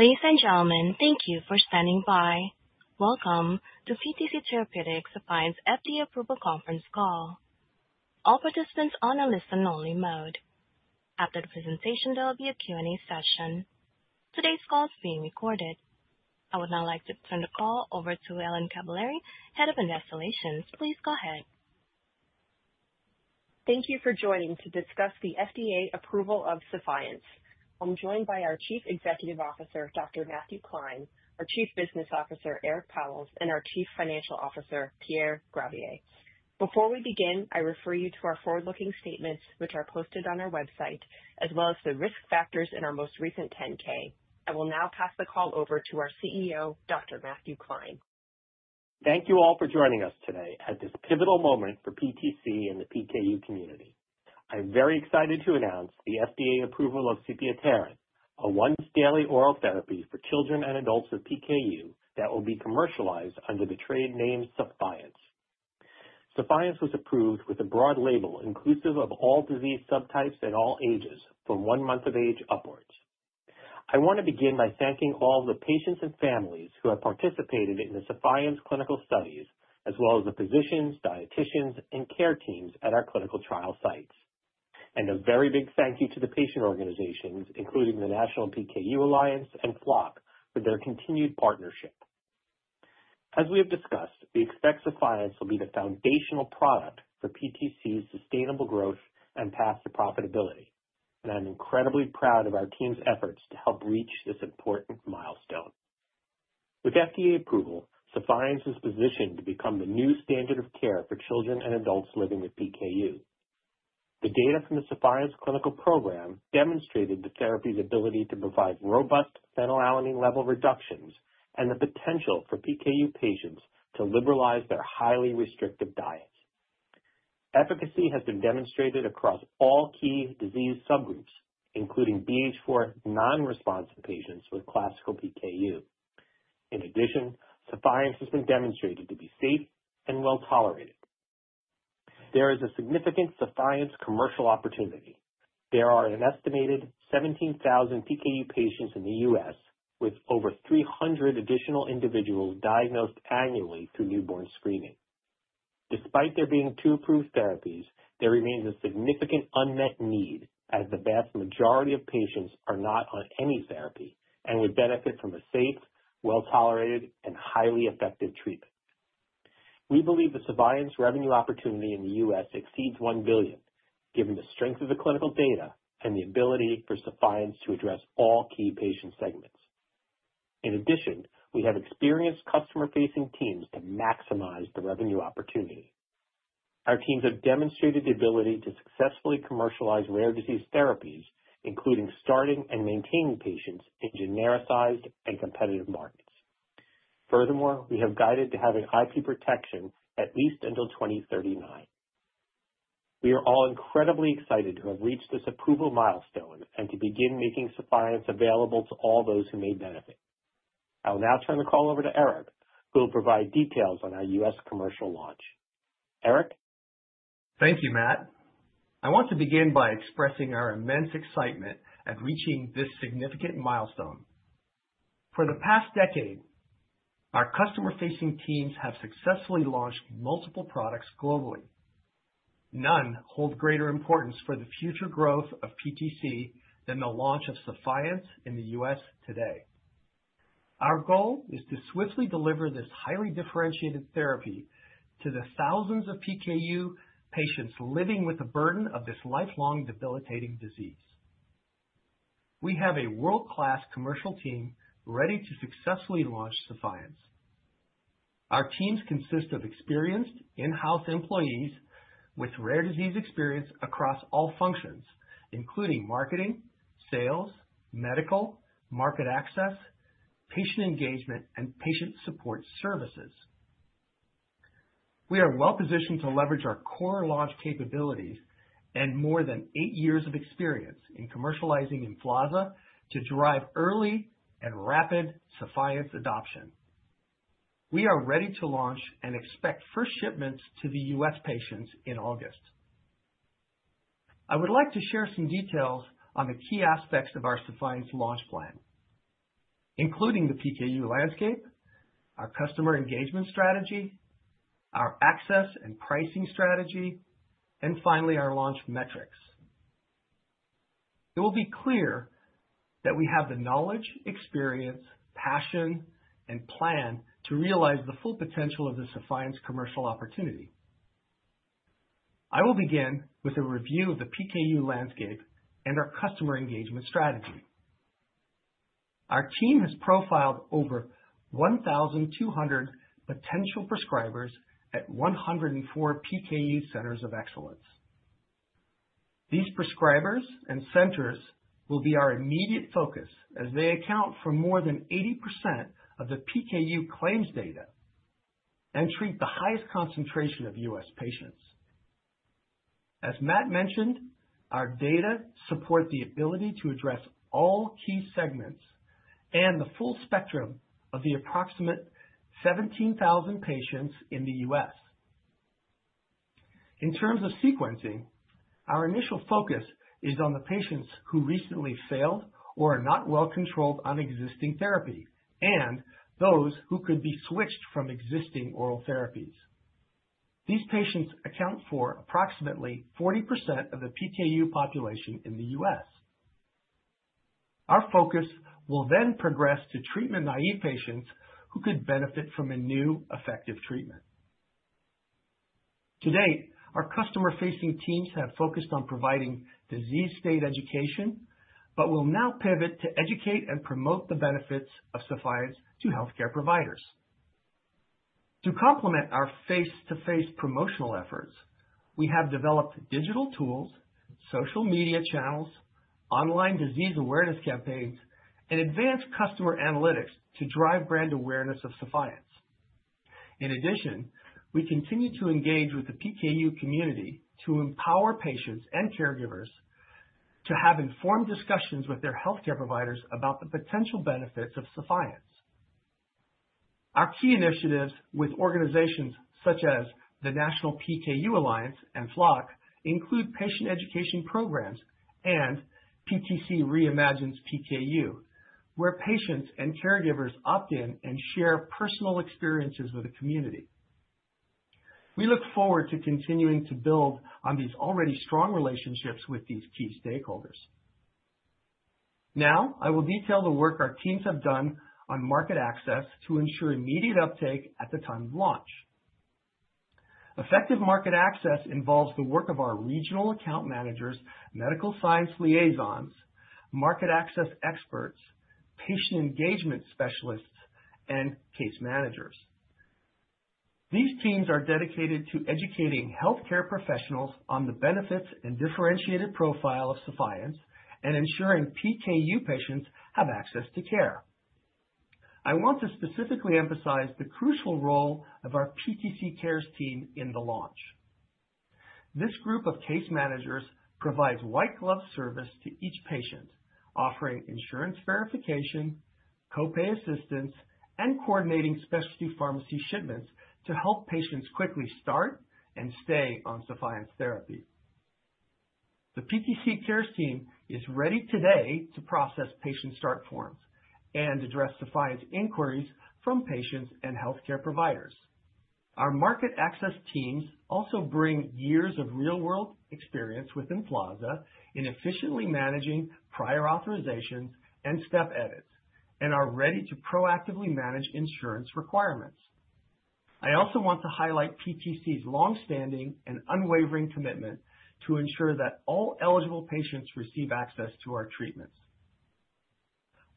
Ladies and gentlemen, thank you for standing by. Welcome to PTC Therapeutics Sephience FDA Approval Conference Call. All participants are on a listen only mode. After the presentation there will be a Q&A session. Today's call is being recorded. I would now like to turn the call over to Ellen Cavaleri, Head of Investor Relations. Please go ahead. Thank you for joining to discuss the FDA approval of Sephience. I'm joined by our Chief Executive Officer. Dr. Matthew Klein, our Chief Business Officer Eric Pauwels, and our Chief Financial Officer Pierre Gravier. Before we begin, I refer you to. Our forward-looking statements, which are posted. On our website as well as the risk factors in our most recent 10-K. I will now pass the call over. To our CEO Dr. Matthew Klein. Thank you all for joining us today at this pivotal moment for PTC and the PKU community. I am very excited to announce the FDA approval of sepiapterin, a once-daily oral therapy for children and adults with PKU that will be commercialized under the trade name Sephience. Sephience was approved with a broad label inclusive of all disease subtypes at all ages from 1 month of age upwards. I want to begin by thanking all the patients and families who have participated in the Sephience clinical studies as well as the physicians, dietitians, and care teams at our clinical trial sites. A very big thank you to the patient organizations including the National PKU Alliance and Flock for their continued partnership. As we have discussed, we expect Sephience will be the foundational product for PTC's sustainable growth and path to profitability and I'm incredibly proud of our team's efforts to help reach this important milestone. With FDA approval, Sephience is positioned to become the new standard of care for children and adults living with PKU. The data from the Sephience clinical program demonstrated the therapy's ability to provide robust phenylalanine level reductions and the potential for PKU patients to liberalize their highly restrictive diets. Efficacy has been demonstrated across all key disease subgroups including BH4 non-responsive patients with classical PKU. In addition, Sephience has been demonstrated to be safe and well tolerated. There is a significant Sephience commercial opportunity. There are an estimated 17,000 PKU patients in the U.S. with over 300 additional individuals diagnosed annually through newborn screening. Despite there being two approved therapies, there remains a significant unmet need as the vast majority of patients are not on any therapy and would benefit from a safe, well tolerated, and highly effective treatment. We believe the Sephience revenue opportunity in the U.S. exceeds $1 billion given the strength of the clinical data and the ability for Sephience to address all key patient segments. In addition, we have experienced customer-facing teams. To maximize the revenue opportunity, our teams have demonstrated the ability to successfully commercialize rare disease therapies including starting and maintaining patients in genericized and competitive markets. Furthermore, we have guided to having intellectual property protection at least until 2039. We are all incredibly excited to have reached this approval milestone and to begin making Sephience available to all those who may benefit. I will now turn the call over to Eric who will provide details on our U.S. commercial launch. Eric? Thank you Matt. I want to begin by expressing our immense excitement at reaching this significant milestone. For the past decade our customer-facing teams have successfully launched multiple products globally. None hold greater importance for the future growth of PTC than the launch of Sephience in the U.S. today. Our goal is to swiftly deliver this highly differentiated therapy to the thousands of PKU patients living with the burden of this lifelong debilitating disease. We have a world-class commercial team ready to successfully launch Sephience. Our teams consist of experienced in-house employees with rare disease experience across all functions including marketing, sales, medical, market access, patient engagement, and patient support services. We are well positioned to leverage our core launch capabilities and more than eight years of experience in commercializing Emflaza to drive early and rapid Sephience adoption. We are ready to launch and expect first shipments to U.S. patients in August. I would like to share some details on the key aspects of our Sephience launch plan including the PKU landscape, our customer engagement strategy, our access and pricing strategy, and finally our launch metrics. It will be clear that we have the knowledge, experience, passion, and plan to realize the full potential of this Sephience commercial opportunity. I will begin with a review of the PKU landscape and our customer engagement strategy. Our team has profiled over 1,200 potential prescribers at 104 PKU Centers of Excellence. These prescribers and centers will be our immediate focus as they account for more than 80% of the PKU claims data and treat the highest concentration of U.S. patients. As Matt mentioned, our data support the ability to address all key segments and the full spectrum of the approximate 17,000 patients in the U.S. In terms of sequencing, our initial focus is on the patients who recently failed or are not well controlled on existing therapy and those who could be switched from existing oral therapies. These patients account for approximately 40% of the PKU population in the U.S. Our focus will then progress to treatment-naive patients who could benefit from a new effective treatment. To date, our customer-facing teams have focused on providing disease state education but will now pivot to educate and promote the benefits of Sephience to health care providers. To complement our face-to-face promotional efforts, we have developed digital tools, social media channels, online disease awareness campaigns, and advanced customer analytics to drive brand awareness of Sephience. In addition, we continue to engage with the PKU community to empower patients and caregivers to have informed discussions with their healthcare providers about the potential benefits of Sephience. Our key initiatives with organizations such as the National PKU Alliance and Flock include patient education programs and PTC Reimagines PKU, where patients and caregivers opt in and share personal experiences with the community. We look forward to continuing to build on these already strong relationships with these key stakeholders. Now I will detail the work our teams have done on market access to ensure immediate uptake at the time of launch. Effective market access involves the work of our regional account managers, medical science liaisons, market access experts, patient engagement specialists, and case managers. These teams are dedicated to educating healthcare professionals on the benefits and differentiated profile of Sephience and ensuring PKU patients have access to care. I want to specifically emphasize the crucial role of our PTC Cares team in the launch. This group of case managers provides white glove service to each patient, offering insurance verification, copay assistance, and coordinating specialty pharmacy shipments to help patients quickly start and stay on Sephience therapy. The PTC Cares team is ready today to process patient start forms and address Sephience inquiries from patients and healthcare providers. Our market access teams also bring years of real-world experience with Emflaza in efficiently managing prior authorizations and step edits and are ready to proactively manage insurance requirements. I also want to highlight PTC's longstanding and unwavering commitment to ensure that all eligible patients receive access to our treatments.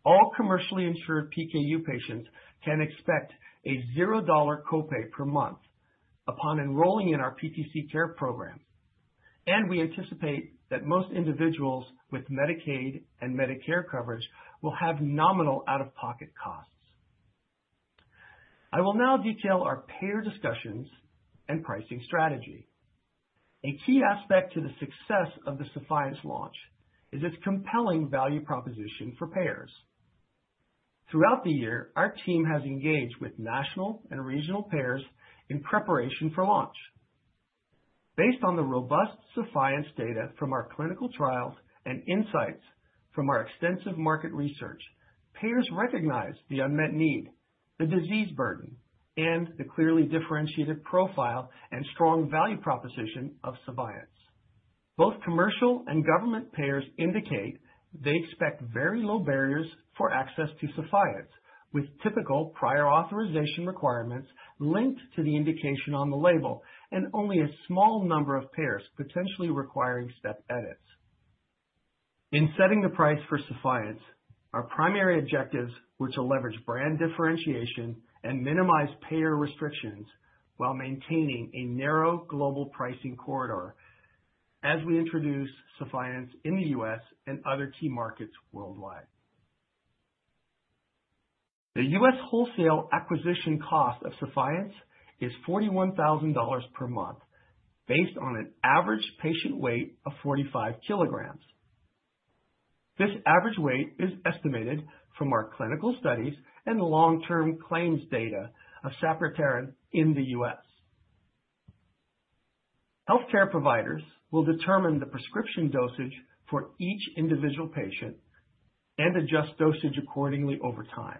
All commercially insured PKU patients can expect a $0 copay per month upon enrolling in our PTC Cares program, and we anticipate that most individuals with Medicaid and Medicare coverage will have nominal out-of-pocket costs. I will now detail our payer discussions and pricing strategy. A key aspect to the success of the Sephience launch is its compelling value proposition for payers. Throughout the year, our team has engaged with national and regional payers in preparation for launch. Based on the robust Sephience data from our clinical trials and insights from our extensive market research, payers recognize the unmet need, the disease burden, and the clearly differentiated profile and strong value proposition of Sephience. Both commercial and government payers indicate they expect very low barriers for access to Sephience with typical prior authorization requirements linked to the indication on the label and only a small number of payers potentially requiring step edits. In setting the price for Sephience, our primary objectives were to leverage brand differentiation and minimize payer restrictions while maintaining a narrow global pricing corridor as we introduce Sephience in the U.S. and other key markets worldwide. The U.S. wholesale acquisition cost of Sephience is $41,000 per month based on an average patient weight of 45 kg. This average weight is estimated from our clinical studies and long-term claims data of sapropterin in the U.S. Health care providers will determine the prescription dosage for each individual patient and adjust dosage accordingly over time.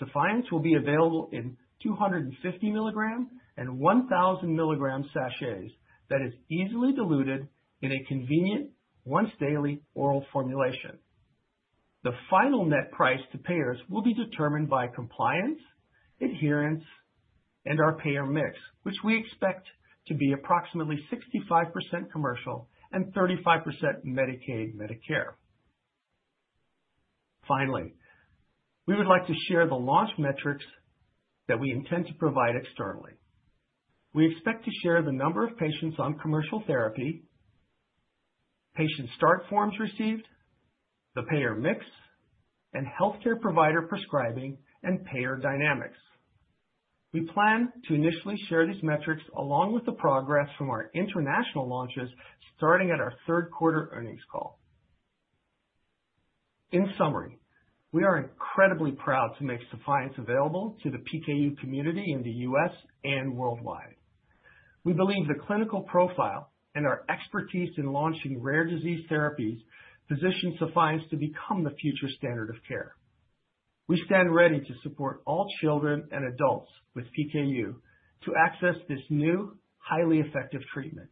Sephience will be available in 250 milligrams and 1000 milligrams sachets that is easily diluted in a convenient once-daily oral formulation. The final net price to payers will be determined by compliance, adherence, and our payer mix, which we expect to be approximately 65% commercial and 35% Medicaid Medicare. Finally, we would like to share the launch metrics that we intend to provide externally. We expect to share the number of patients on commercial therapy, patient start forms received, the payer mix, and healthcare provider prescribing and payer dynamics. We plan to initially share these metrics along with the progress from our international launches starting at our third quarter earnings call. In summary, we are incredibly proud to make Sephience available to the PKU community in the U.S. and worldwide. We believe the clinical profile and our expertise in launching rare disease therapies position Sephience to become the future standard of care. We stand ready to support all children and adults with PKU to access this new, highly effective treatment.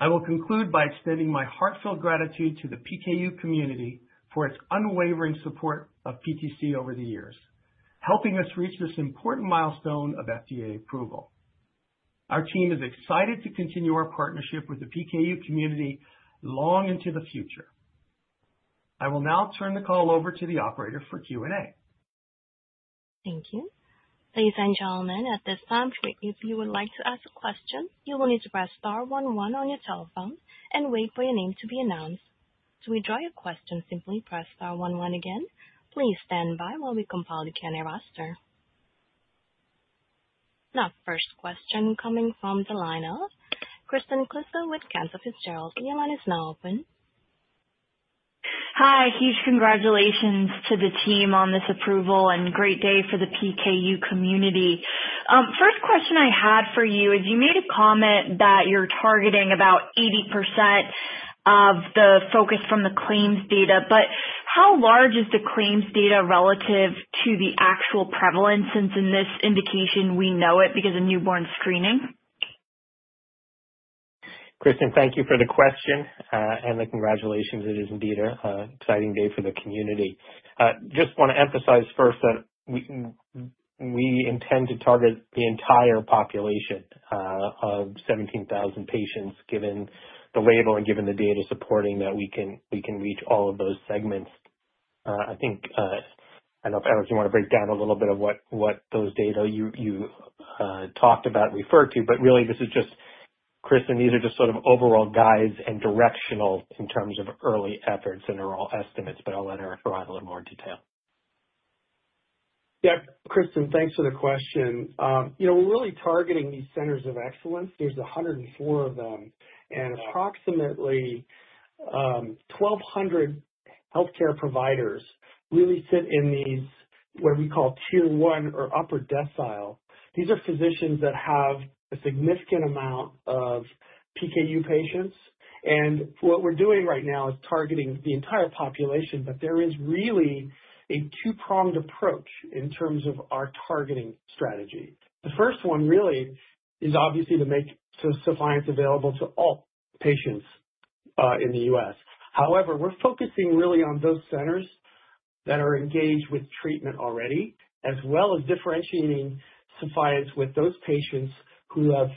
I will conclude by extending my heartfelt gratitude to the PKU community for its unwavering support of PTC Therapeutics over the years helping us reach this important milestone of FDA approval. Our team is excited to continue our partnership with the PKU community long into the future. I will now turn the call over to the operator for Q&A. Thank you. Ladies and gentlemen, at this time, if you would like to ask a question, you will need to press star one one on your telephone and wait for your name to be announced. To withdraw your question, simply press star one one again. Please stand by while we compile the Q&A roster. First question coming from the line of Kristen Kluska with Cantor Fitzgerald. Your line is now open. Hi. Huge congratulations to the team on this approval and great day for the PKU community. First question I had for you is you made a comment that you're targeting about 80% of the focus from the claims data. How large is the claims data relative to the actual prevalence since in this indication we know it because of newborn screening? Kristen, thank you for the question and the congratulations. It is indeed an exciting day for the community. I just want to emphasize first that we intend to target the entire population of 17,000 patients, given the label and given the data supporting that we can reach all of those segments. I think, I don't know if Eric, you want to break down a little bit of what those data you talked about referred to, but really this is just, Kristen, these are just sort of overall guides and directional in terms of early efforts and are all estimates. I'll let Eric provide a little more detail. Yeah, Kristen, thanks for the question. You know, we're really targeting these Centers of Excellence. There's 104 of them and approximately 1,200 healthcare providers really sit in these, what we call tier one or upper decile. These are physicians that have a significant amount of PKU patients. What we're doing right now is targeting the entire population. There is really a two-pronged approach in terms of our targeting strategy. The first one really is obviously to make Sephience available to all patients in the U.S. However, we're focusing really on those centers that are engaged with treatment already as well as differentiating Sephience with those patients who have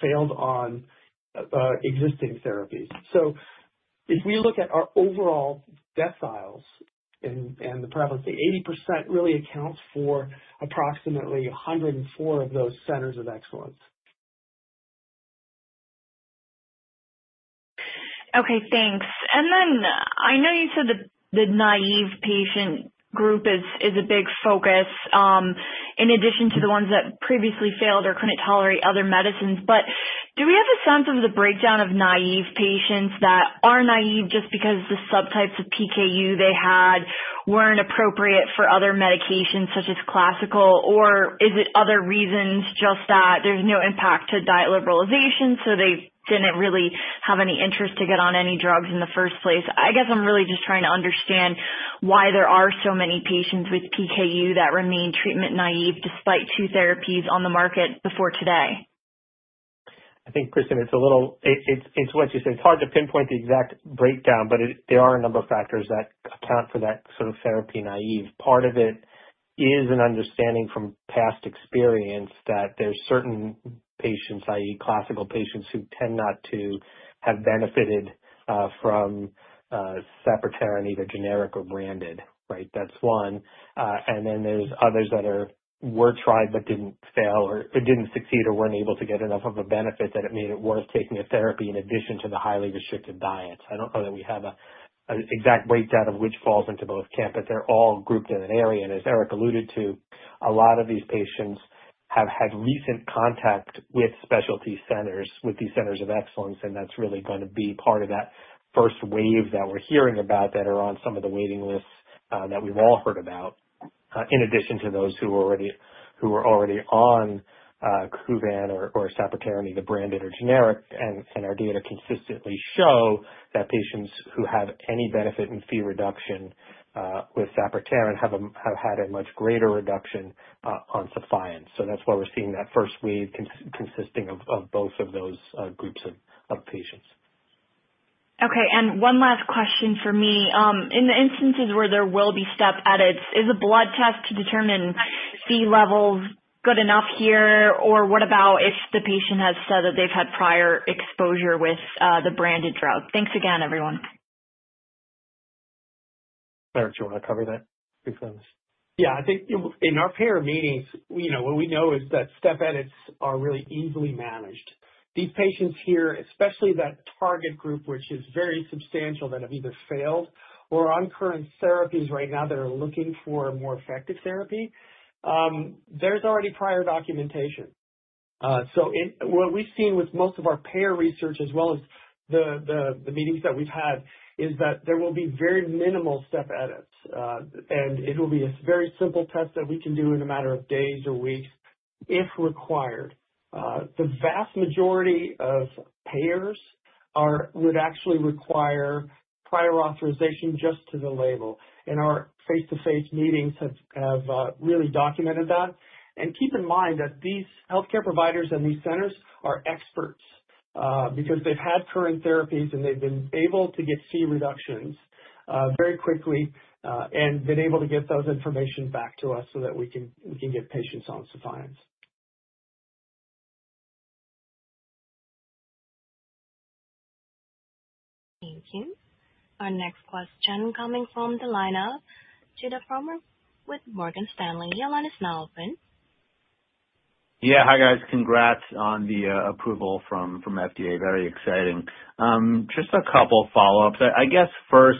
failed on existing therapies. If we look at our overall deciles and the prevalence, the 80% really accounts for approximately 104 of those Centers of Excellence. Okay, thanks. I know you said that the naive patient group is a big focus in addition to the ones that previously failed or couldn't tolerate other medicines. Do we have a sense of the breakdown of naive patients that are naive just because the subtypes of PKU they had weren't appropriate for other medications such as classical, or is it other reasons? Just that there's no impact to diet liberalization? They didn't really have any interest to get on any drugs in the first place? I'm really just trying to understand why there are so many patients with PKU that remain treatment naive despite two therapies on the market before today. I think, Kristen, it's a little. It's what you said. It's hard to pinpoint the exact breakdown, but there are a number of factors that account for that sort of therapy-naive. Part of it is an understanding from past experience that there's certain patients, that is classical patients, who tend not to have benefited from sapropterin, either generic or branded. That's one. Then there's others that were tried but didn't fail or didn't succeed or weren't able to get enough of a benefit that it made it worth taking a therapy in addition to the highly restricted diets. I don't know that we have an exact breakdown of which falls into both camp, but they're all grouped in an area. As Eric alluded to, a lot of these patients have had recent contact with specialty centers, with these Centers of Excellence. That's really going to be part of that first wave that we're hearing about that are on some of the waiting lists that we've all heard about. In addition to those who are already on Kuvan or sapropterin, the branded or generic. Our data consistently show that patients who have any benefit in Phe reduction with sapropterin have had a much greater reduction on Sephience. That's why we're seeing that first wave consisting of both of those groups of patients. Okay, and one last question for me. In the instances where there will be step edits, is a blood test to determine B levels good enough here, or what about if the patient has said that they've had prior exposure with the branded drug? Thanks again everyone. You want to cover that? Yeah, I think in our peer meetings what we know is that step edits are really easily managed. These patients here, especially that target group, which is very substantial, that have either failed or are on current therapies right now that are looking for more effective therapy, there's already prior documentation. What we've seen with most of our payer research as well as the meetings that we've had is that there will be very minimal step edits, and it will be a very simple test that we can do in a matter of days or weeks if required. The vast majority of payers would actually require prior authorization just to the label. Our face-to-face meetings have really documented that. Keep in mind that these healthcare providers and these centers are experts because they've had current therapies and they've been able to get C reductions very quickly and been able to get that information back to us so that we can get patients on Sephience. Thank you. Our next question coming from the lineup, Judah Frommer with Morgan Stanley. Your line is now open. Yeah. Hi guys. Congrats on the approval from FDA. Very exciting. Just a couple follow-ups, I guess. First,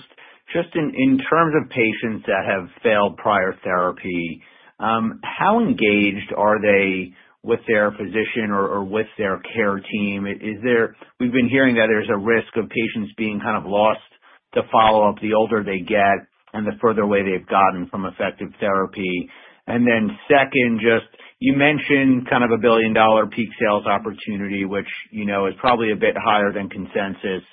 just in terms of patients that have failed prior therapy, how engaged are they with their physician or with their care team? We've been hearing that there's a risk of patients being kind of lost to follow-up the older they get and the further away they've gotten from effective therapy. Second, you mentioned kind of a $1 billion peak sales opportunity, which is probably a bit higher than consensus.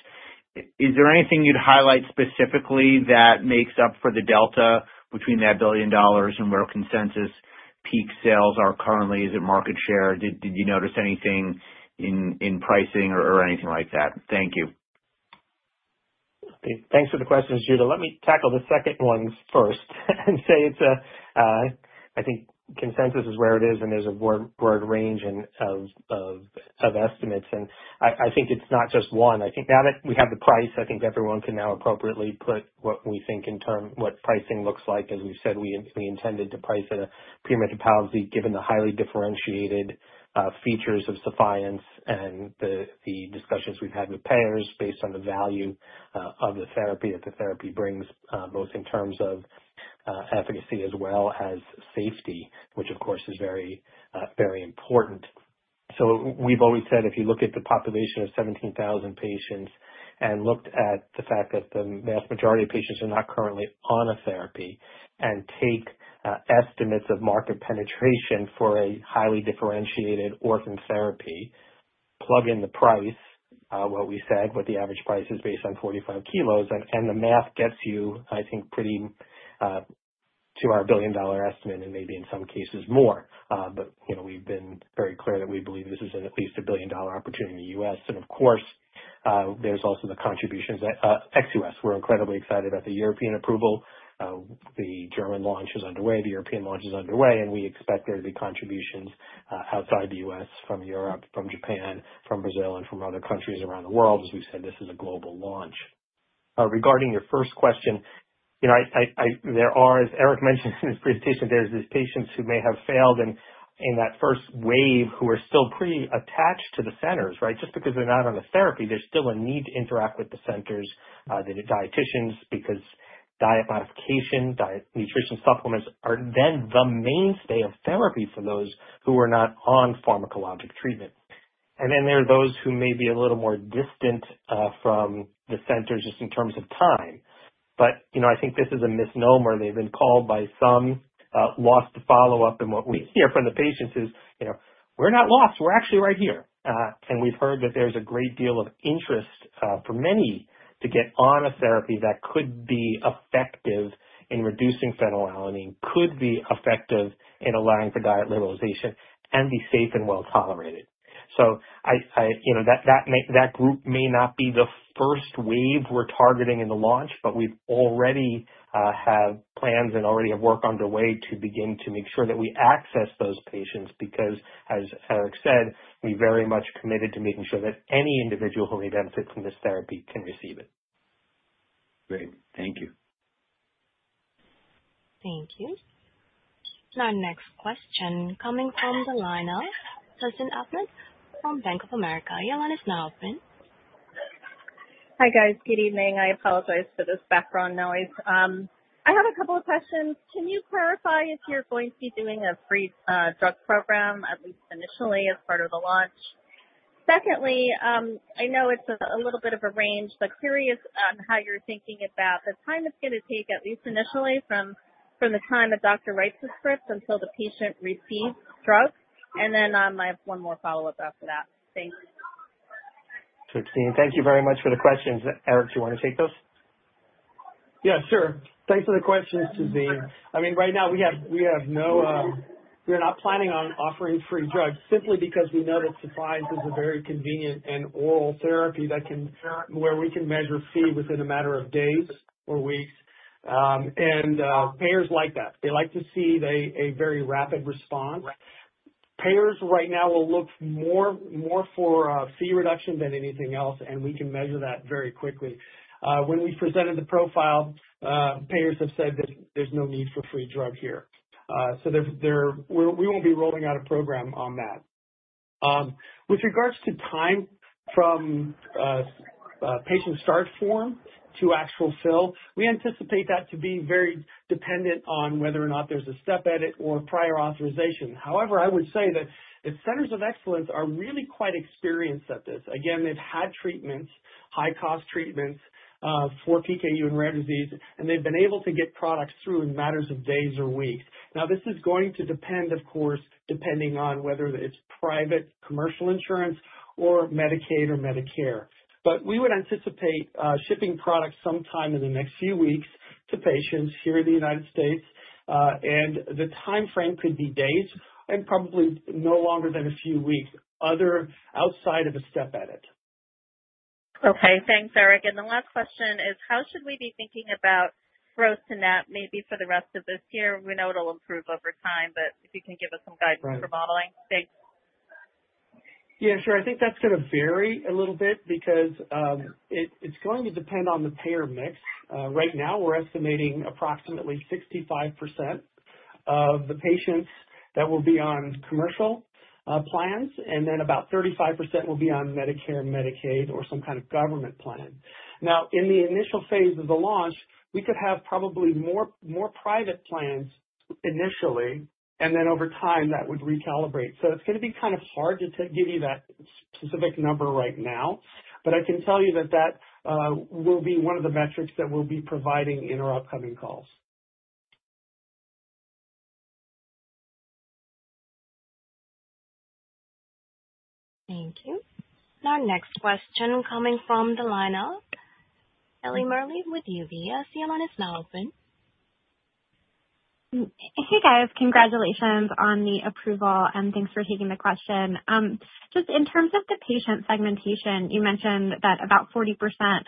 Is there anything you'd highlight specifically that makes up for the delta between that $1 billion and where consensus peak sales are currently? Is it market share? Did you notice anything in pricing or anything like that? Thank you. Thanks for the questions. Judah, let me tackle the second one first and say I think consensus is where it is and there's a broad range of estimates. I think it's not just one. I think now that we have the price, everyone can now appropriately put what we think in terms of what pricing looks like. As we said, we intended to price at a premium, particularly given the highly differentiated features of Sephience and the discussions we've had with payers based on the value that the therapy brings, both in terms of efficacy as well as safety, which of course is very, very important. We've always said if you look at the population of 17,000 patients and look at the fact that the vast majority of patients are not currently on a therapy and take estimates of market penetration for a highly differentiated orphan therapy, plug in the price, what we said, what the average price is based on 45 kilos, and the math gets you pretty close to our $1 billion estimate and maybe in some cases more. We've been very clear that we believe this is at least a billion dollar opportunity in the U.S. and of course there's also the contributions ex-U.S. We're incredibly excited about the European approval. The German launch is underway. The European launch is underway and we expect there to be contributions outside the U.S. from Europe, from Japan, from Brazil, and from other countries around the world. As we said, this is a global launch. Regarding your first question, there are, as Eric mentioned in his presentation, these patients who may have failed in that first wave who are still pretty attached to the centers just because they're not on the therapy. There's still a need to interact with the centers, the dietitians, because diet modification, diet, nutrition, supplements are then the mainstay of therapy for those who are not on pharmacologic treatment. There are those who may be a little more distant from the centers just in terms of time. I think this is a misnomer. They've been called by some lost to follow up. What we hear from the patients is we're not lost. We're actually right here. We have heard that there's a great deal of interest for many to get on a therapy that could be effective in reducing phenylalanine, could be effective in allowing for diet liberalization, and be safe and well tolerated. That group may not be the first wave we're targeting in the launch, but we already have plans and already have work underway to begin to make sure that we access those patients. As Eric said, we are very much committed to making sure that any individual who may benefit from this therapy can receive it. Great. Thank you. Thank you. Our next question coming from the lineup, Tazeen Ahmad from Bank of America. Your line is now open. Hi guys. Good evening. I apologize for this background noise. I have a couple of questions. Can you clarify if you're going to be doing a free drug program at least initially as part of the launch? Secondly, I know it's a little bit of a range, but curious on how you're thinking about the time it's going to take, at least initially from the time a doctor writes the script until the patient receives drugs. I have one more follow up after that. Thanks. Thank you very much for the questions. Eric, do you want to take those? Yeah, sure. Thanks for the questions, Tazeen. Right now we have no, we're not planning on offering free drugs simply because we know that Sephience is a very convenient and oral therapy where we can measure Phe within a matter of days. Payers like that, they like to see a very rapid response. Payers right now will look more for Phe reduction than anything else and we can measure that very quickly. When we presented the profile, payers have said that there's no need for free drug here, so we won't be rolling out a program on that. With regards to time, from patient start form to actual fill, we anticipate that to be very dependent on whether or not there's a step edit or prior authorization. However, I would say that Centers of Excellence are really quite experienced at this. They've had treatments, high cost treatments for PKU and rare disease and they've been able to get products through in matters of days or weeks. This is going to depend, of course, depending on whether it's private commercial insurance or Medicaid or Medicare. We would anticipate shipping products sometime in the next few weeks to patients here in the U.S. The timeframe could be days and probably no longer than a few weeks outside of a step edit. Okay, thanks, Eric. The last question is how should we be thinking about gross to net maybe for the rest of this year? We know it will improve over time. If you can give us some guidance for modeling. Thanks. Yeah, sure. I think that's going to vary a little bit because it's going to depend on the payer mix. Right now we're estimating approximately 65% of the patients that will be on commercial plans and then about 35% will be on Medicare, Medicaid, or some kind of government plan. In the initial phase of the launch, we could have probably more private plans initially and then over time that would recalibrate. It's going to be kind of hard to give you that specific number right now, but I can tell you that that will be one of the metrics that we'll be providing in our upcoming calls. Thank you. Our next question coming from the lineup, Ellie Merle with UBS is now open. Hey guys, congratulations on the approval and thanks for taking the question. Just in terms of the patient segmentation, you mentioned that about 40%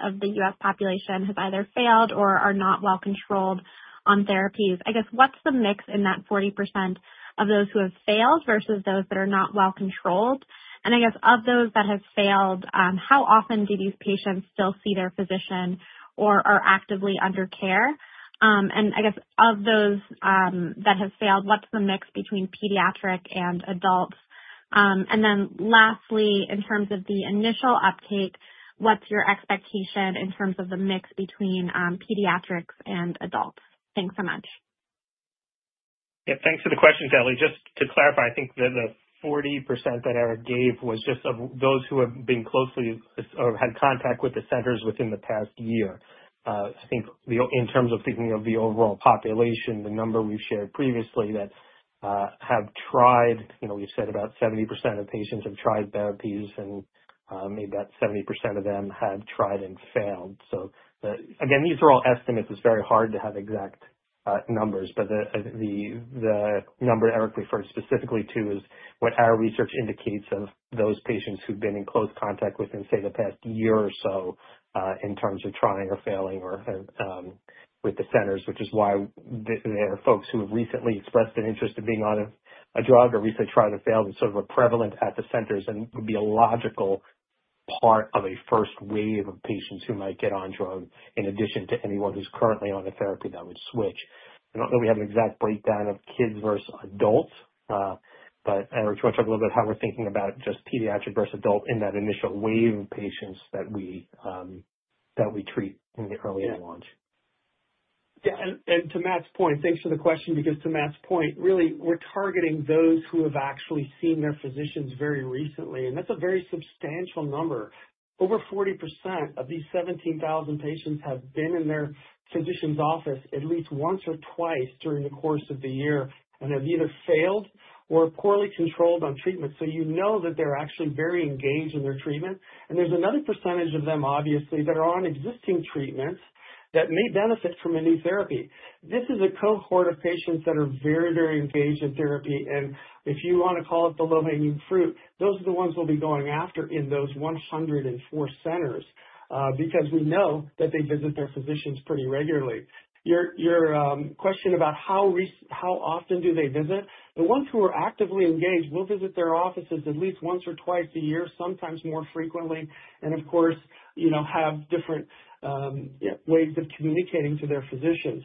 of the U.S. population has either failed or are not well controlled on therapies. I guess what's the mix in that 40% of those who have failed versus those that are not well controlled? I guess of those that have failed, how often do these patients still see their physician or are actively under care? I guess of those that have failed, what's the mix between pediatric and adults? Lastly, in terms of the initial uptake, what's your expectation in terms of the mix between pediatrics and adults? Thanks so much. Thanks for the question, Ellie. Just to clarify, I think that the 40% that Eric gave was just those who have been closely or had contact with the centers within the past year. I think in terms of thinking of the overall population, the number we've shared previously that have tried, we said about 70% of patients have tried therapies and maybe about 70% of them have tried and failed. These are all estimates. It's very hard to have exact numbers. The number Eric referred specifically to is what our research indicates of those patients who've been in close contact within, say, the past year or so in terms of trying or failing with the centers, which is why there are folks who have recently expressed an interest in being on a drug or recently tried or failed. It's sort of a prevalent at the centers and would be a logical part of a first wave of patients who might get on drug in addition to anyone who's currently on a therapy that would switch. I don't know. We have an exact breakdown of kids versus adults. Eric, do you want to talk a little bit about how we're thinking about just pediatric versus adult in that initial wave of patients that we treat in the early launch. To Matt's point, thanks for the question. Because to Matt's point, really we're targeting those who have actually seen their physicians very recently. That's a very substantial number. Over 40% of these 17,000 patients have been in their physician's office at least once or twice during the course of the year and have either failed or are poorly controlled on treatment. You know that they're actually very engaged in their treatment. There's another percentage of them, obviously, that are on existing treatments that may benefit from a new therapy. This is a cohort of patients that are very, very engaged in therapy. If you want to call it the low hanging fruit, those are the ones we'll be going after in those 104 centers because we know that they visit their physicians pretty regularly. Your question about how often do they visit? The ones who are actively engaged will visit their offices at least once or twice a year, sometimes more frequently, and of course have different ways of communicating to their physicians.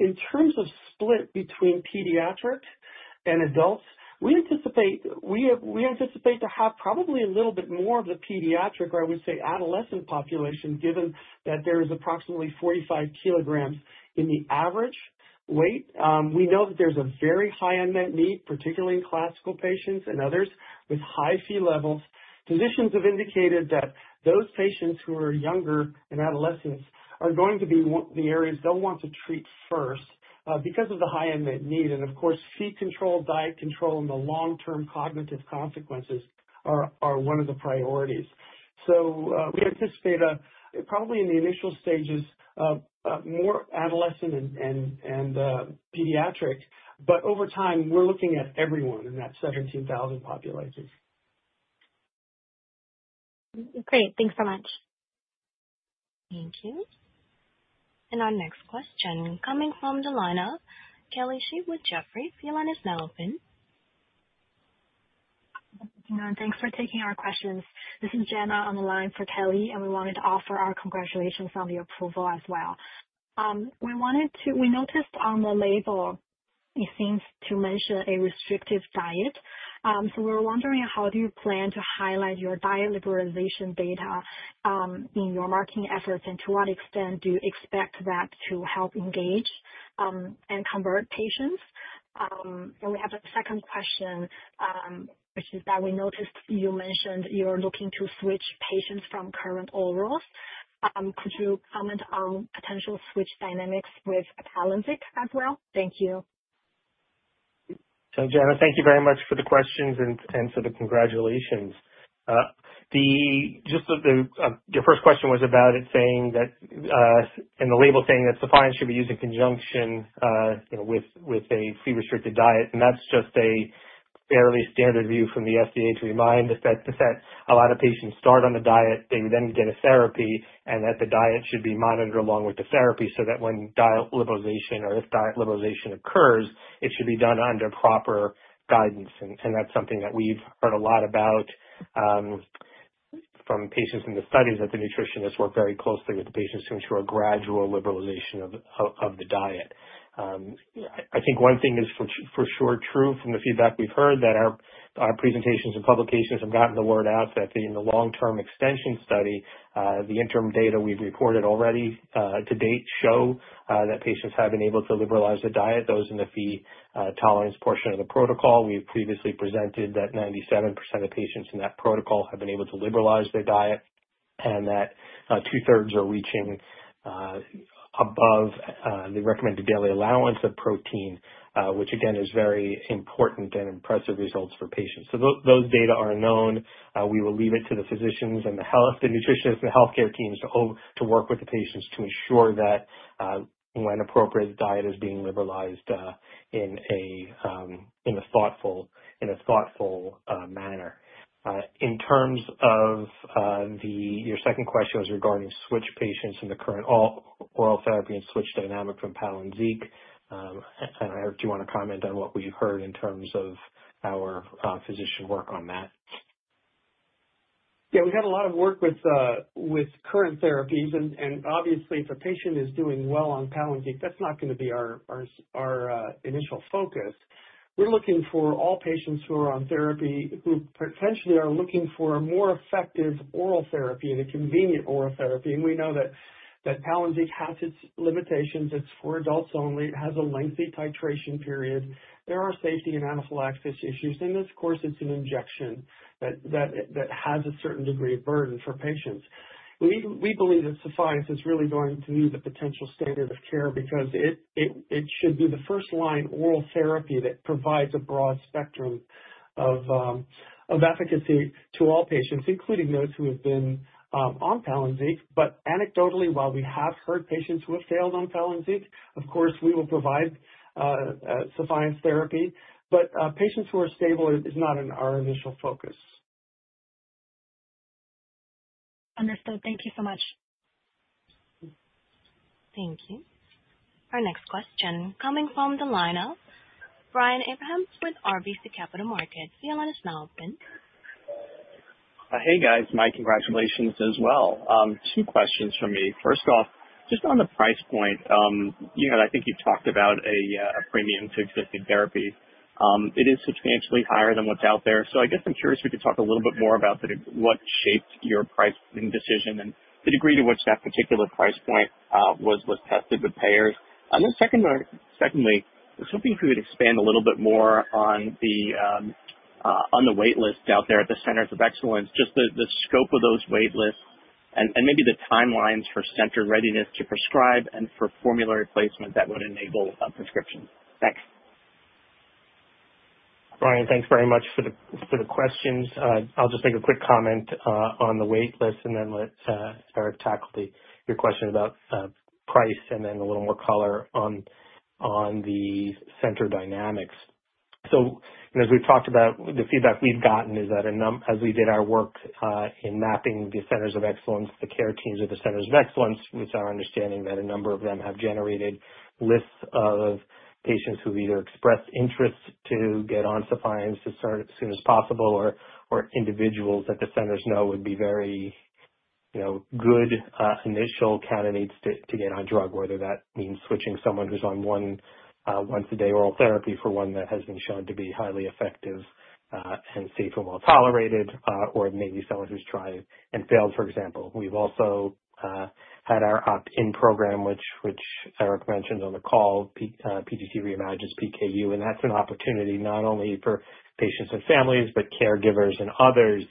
In terms of split between pediatric and adults, we anticipate to have probably a little bit more of the pediatric or, I would say, adolescent population. Given that there is approximately 45 kg in the average weight, we know that there's a very high unmet need, particularly in classical patients and others with high Phe levels. Physicians have indicated that those patients who are younger, in adolescents, are going to be the areas they'll want to treat first because of the high unmet need. Of course, Phe control, diet control, and the long-term cognitive consequences are one of the priorities. We anticipate probably in the initial stages more adolescent and pediatric, but over time we're looking at everyone in that 17,000 population. Great, thanks so much. Thank you. Our next question coming from the lineup, Kelly Shi with Jefferies. Your line is now open. Thanks for taking our questions. This is Jenna on the line for Kelly. We wanted to offer our congratulations on the approval as well. We noticed on the label it seems to mention a restrictive diet. We're wondering how you plan to highlight your diet liberalization data in your marketing efforts and to what extent you expect that to help engage and convert patients. We have a second question, which is that we noticed you mentioned you're looking to switch patients from current orals. Could you comment on potential switch dynamics with Palynziq as well? Thank you. Jenna, thank you very much for the questions and for the congratulations. Your first question was about it saying that and the label saying that Sephience should be used in conjunction with a Phe restricted diet. That's just a fairly standard view from the FDA to remind that a lot of patients start on the diet, they then get a therapy, and that the diet should be monitored along with the therapy so that when diet liberalization or if diet liberalization occurs, it should be done under guidance. That's something that we've heard a lot about from patients in the studies, that the nutritionists work very closely with the patients to ensure gradual liberalization of the diet. I think one thing is for sure true from the feedback we've heard, that our presentations and publications have gotten the word out that in the long-term extension study, the interim data we've reported already to date show that patients have been able to liberalize the diet, those in the Phe tolerance portion of the protocol. We previously presented that 97% of patients in that protocol have been able to liberalize their diet and that 2/3 are reaching above the recommended daily allowance of protein, which again is very important and impressive results for patients. Those data are known. We will leave it to the physicians and the nutritionists and the healthcare teams to work with the patients to ensure that when appropriate, diet is being liberalized in a thoughtful manner. In terms of your second question, regarding switch patients in the current oral therapy and switch dynamic from Palynziq, I don't know. Eric, do you want to comment on what we heard in terms of our physician work on that? Yeah, we had a lot of work with current therapies and obviously if a patient is doing well on Palynziq, that's not going to be our initial focus. We're looking for all patients who are on therapy, who potentially are looking for a more effective oral therapy, the convenient oral therapy. We know that Palynziq has its limitations. It's for adults only. It has a lengthy titration period. There are safety and anaphylaxis issues. Of course, it's an injection that has a certain degree of burden for patients. We believe that Sephience is really going to meet the potential standard of care because it should be the first line oral therapy that provides a broad spectrum of efficacy to all patients, including those who have been on Palynziq. Anecdotally, while we have heard patients who have failed on Palynziq, of course we will provide Sephience therapy, but patients who are stable is not our initial focus. Understood. Thank you so much. Thank you. Our next question coming from the lineup, Brian Abrahams with RBC Capital Markets. The line is now open. Hey guys, my congratulations as well. Two questions from me. First off, just on the price point, I think you talked about a premium to existing therapy. It is substantially higher than what's out there. I'm curious if we. Could talk a little bit more about what shaped your pricing decision and the degree to which that particular price point was tested with payers. Secondly, I was hoping if you could expand a little bit more on the wait list out there at the Centers of Excellence, just the scope of those wait lists and maybe the timelines for center readiness to prescribe and for formulary placement that would enable prescriptions. Thanks. Brian. Thanks very much for the questions. I'll just make a quick comment on the wait list and then let Eric tackle your question about price and then a little more color on the center dynamics. As we've talked about, the feedback we've gotten is that as we did our work in mapping the Centers of Excellence, the care teams of the Centers of Excellence with our understanding that a number of them have generated lists of patients who either expressed interest to get on Sephience as soon as possible or individuals that the centers know would be very good initial candidates to get on drug, whether that means switching someone who's on once-daily oral therapy for one that has been shown to be highly effective and safe and well tolerated, or maybe someone who's tried and failed. For example, we've also had our opt-in program which Eric mentioned on the call. PTC Reimagines PKU and that's an opportunity not only for patients and families, but caregivers and others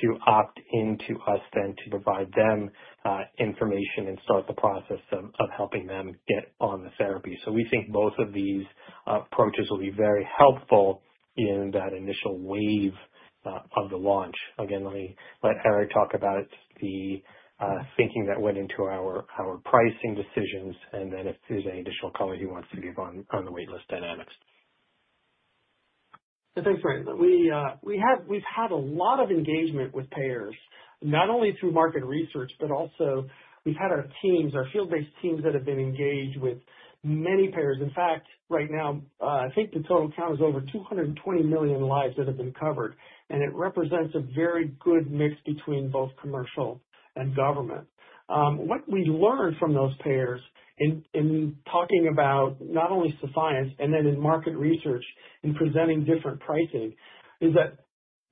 to opt into us then to provide them information and start the process of helping them get on the therapy. We think both of these approaches will be very helpful in that initial wave of the launch. Again, let Eric talk about the thinking that went into our pricing decisions and then if there's any additional color he wants to give on the wait list dynamics. Thanks, Martin. We've had a lot of engagement with payers not only through market research but also we've had our teams, our field-based teams that have been engaged with many payers. In fact, right now I think the total count is over 220 million lives that have been covered. It represents a very good mix between both commercial and government. What we learned from those payers in talking about not only science and then in market research, in presenting different pricing, is that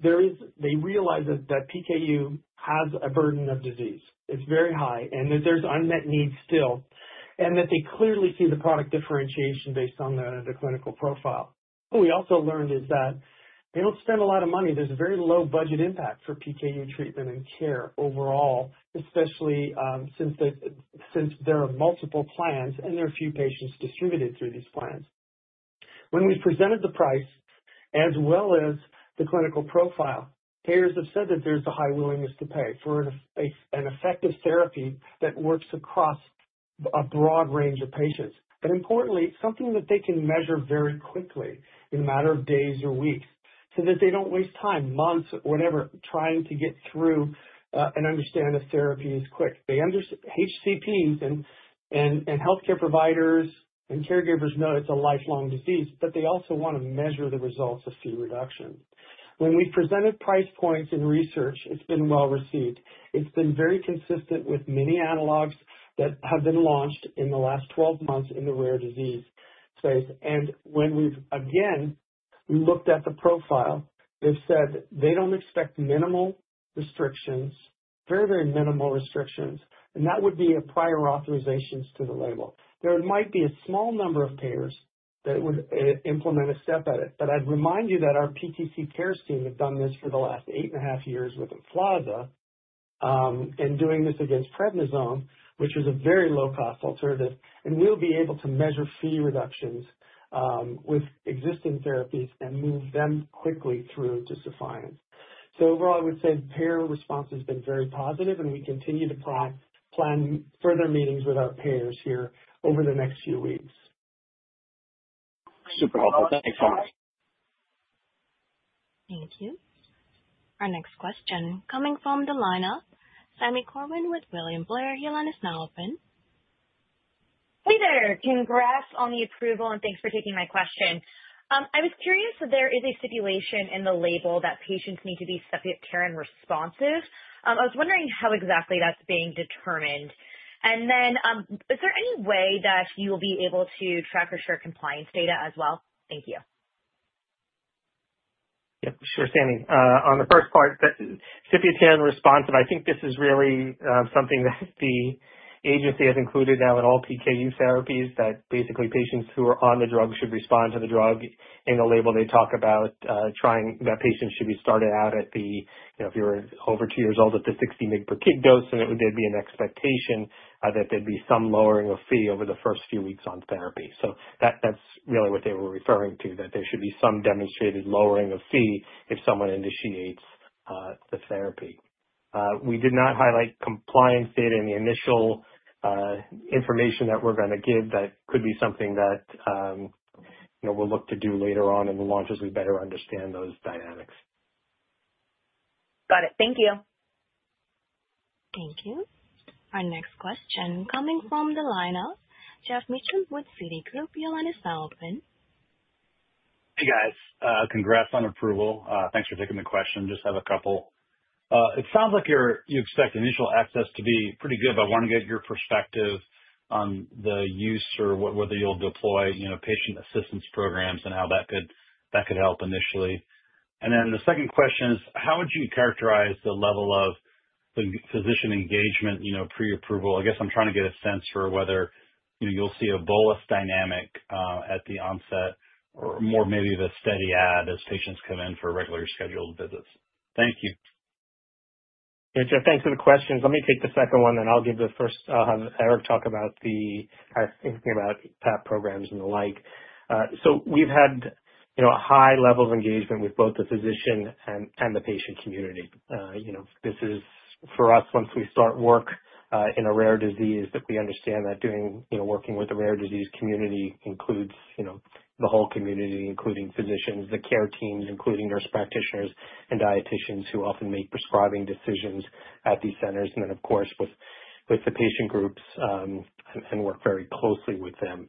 they realize that PKU has a burden of disease, it's very high, and that there's unmet need still, and that they clearly see the product differentiation based on the clinical profile. What we also learned is that they don't spend a lot of money. There's a very low budget impact for PKU treatment and care overall, especially since there are multiple plans and there are few patients distributed through these plans. When we presented the price as well as the clinical profile, payers have said that there's a high willingness to pay for an effective therapy that works across a broad range of patients and, importantly, something that they can measure very quickly in a matter of days or weeks so that they don't waste time, months, whatever, trying to get through and understand the therapy is quick. HCPs and healthcare providers and caregivers know it's a lifelong disease, but they also want to measure the results of Phe reduction. When we presented price points in research, it's been well received, it's been very consistent with many analogs that have been launched in the last 12 months in the rare disease space. When we've again looked at the profile, they've said they expect minimal restrictions. Very, very minimal restrictions. That would be prior authorizations to the label. There might be a small number of payers that would implement a step edit, but I'd remind you that our PTC Cares team have done this for the last 8.5 years with Emflaza and doing this against prednisone, which is a very low-cost alternative. We'll be able to measure Phe reductions with existing therapies and move them quickly through to Sephience. Overall, I would say payer response has been very positive and we continue to plan further meetings with our payers here over the next few weeks. Super helpful. Thanks so much. Thank you. Our next question coming from the lineup, Sami Corwin with William Blair, your line is open. Hey there. Congrats on the approval and thanks for taking my question. I was curious that there is a stipulation in the label that patients need to be sepiapterin responsive. I was wondering how exactly that's being determined, and then is there any way that you will be able to track or share compliance data as well? Thank you. Yep, sure. Sami, on the first part, sepiapterin responsive. I think this is really something that the agency has included now in all PKU therapies, that basically patients who are on the drug should respond to the drug in the label. They talk about that patients should be started out at the, if you are over 2 years old, at the 60 milligrams per kg dose, and there'd be an expectation that there'd be some lowering of Phe over the first few weeks on therapy. That's really what they were referring to, that there should be some demonstrated lowering of Phe if someone initiates the therapy. We did not highlight compliance data in the initial information that we're going to give. That could be something that we'll look to do later on in the launch as we better understand those dynamics. Got it. Thank you. Thank you. Our next question coming from the lineup, Geoff Meacham with Citi. Your line is now open. Hey guys, congrats on approval. Thanks for taking the question. Just have a couple. It sounds like you expect initial access. To be pretty good, but I want to get your perspective on the use or whether you'll deploy patient assistance programs and how that could help initially. The second question is how would you characterize the level of physician engagement? Preapproval, I guess I'm trying to get a sense for whether you'll see a bolus dynamic at the onset or maybe the steady add as patients come in for regular scheduled visits. Thank you. Geoff. Thanks for the questions. Let me take the second one, then I'll give the first. I'll have Eric talk about the thinking about patient assistance programs and the like. We've had a high level of engagement with both the physician and the patient community. This is for us once we start work in a rare disease that we understand that working with the rare disease community includes the whole community, including physicians, the care teams, including nurse practitioners and dietitians who often make prescribing decisions at these centers, and of course with the patient groups and work very closely with them.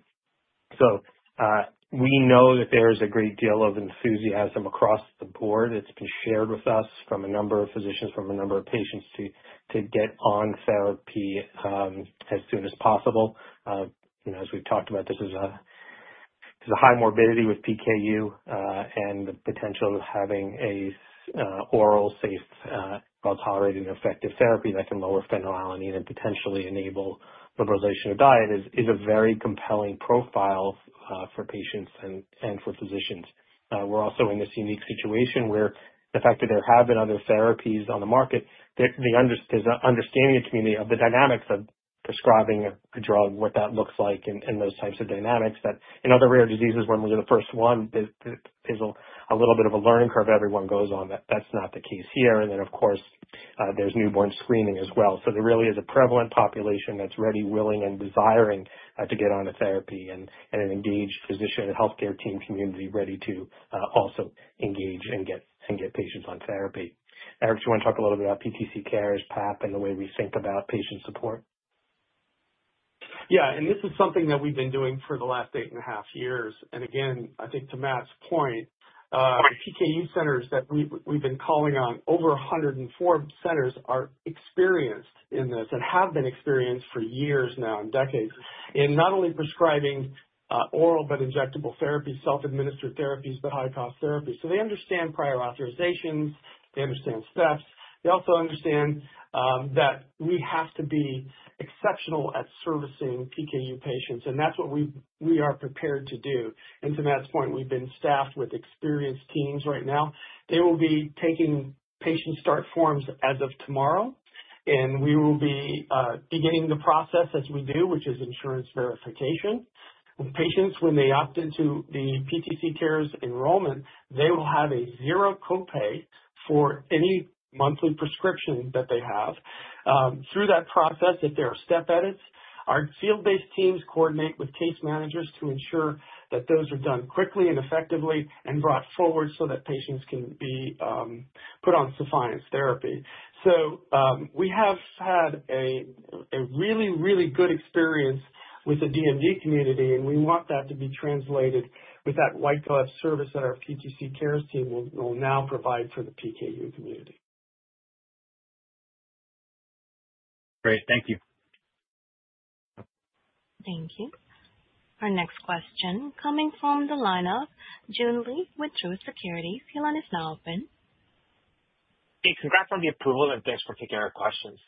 We know that there is a great deal of enthusiasm across the board. It's been shared with us from a number of physicians, from a number of patients to get on therapy as soon as possible. As we've talked about, this is a high morbidity with PKU and the potential of having an oral, safe, well tolerated and effective therapy that can lower phenylalanine and potentially enable liberalization of diet is a very compelling profile for patients and for physicians. We're also in this unique situation where the fact that there have been other therapies on the market, there's an understanding in the community of the dynamics of prescribing a drug, what that looks like and those types of dynamics that in other rare diseases when we're the first one, there's a little bit of a learning curve everyone goes on. That's not the case here. There is newborn screening as well. There really is a prevalent population that's ready, willing and desiring to get onto therapy and an engaged physician healthcare team community ready to also engage and get patients on therapy. Eric, do you want to talk a little bit about PTC Cares as patient assistance programs and the way we think about patient support? Yeah. This is something that we've been doing for the last eight and a half years. I think to Matt's point, PKU Centers that we've been calling on, over 104 centers, are experienced in this and have been experienced for years now and decades in not only prescribing oral but injectable therapy, self-administered therapies, but high cost therapy. They understand prior authorizations, they understand steps. They also understand that we have to be exceptional at servicing PKU patients and that's what we are prepared to do. To Matt's point, we've been staffed with experienced teams right now. They will be taking patient start forms as of tomorrow and we will be beginning the process as we do, which is insurance verification. Patients, when they opt into the PTC Cares enrollment, will have a zero copay for any monthly prescription that they have through that process. If there are step edits, our field-based teams coordinate with case managers to ensure that those are done quickly and effectively and brought forward so that patients can be put on Sephience therapy. We have had a really, really good experience with the DMD community and we want that to be translated with that white glove service that our PTC Cares team will now provide for the PKU community. Great, thank you. Thank you. Our next question coming from the lineup, Joon Lee with Truist Securities is now open. Congrats on the approval and thanks for taking our questions.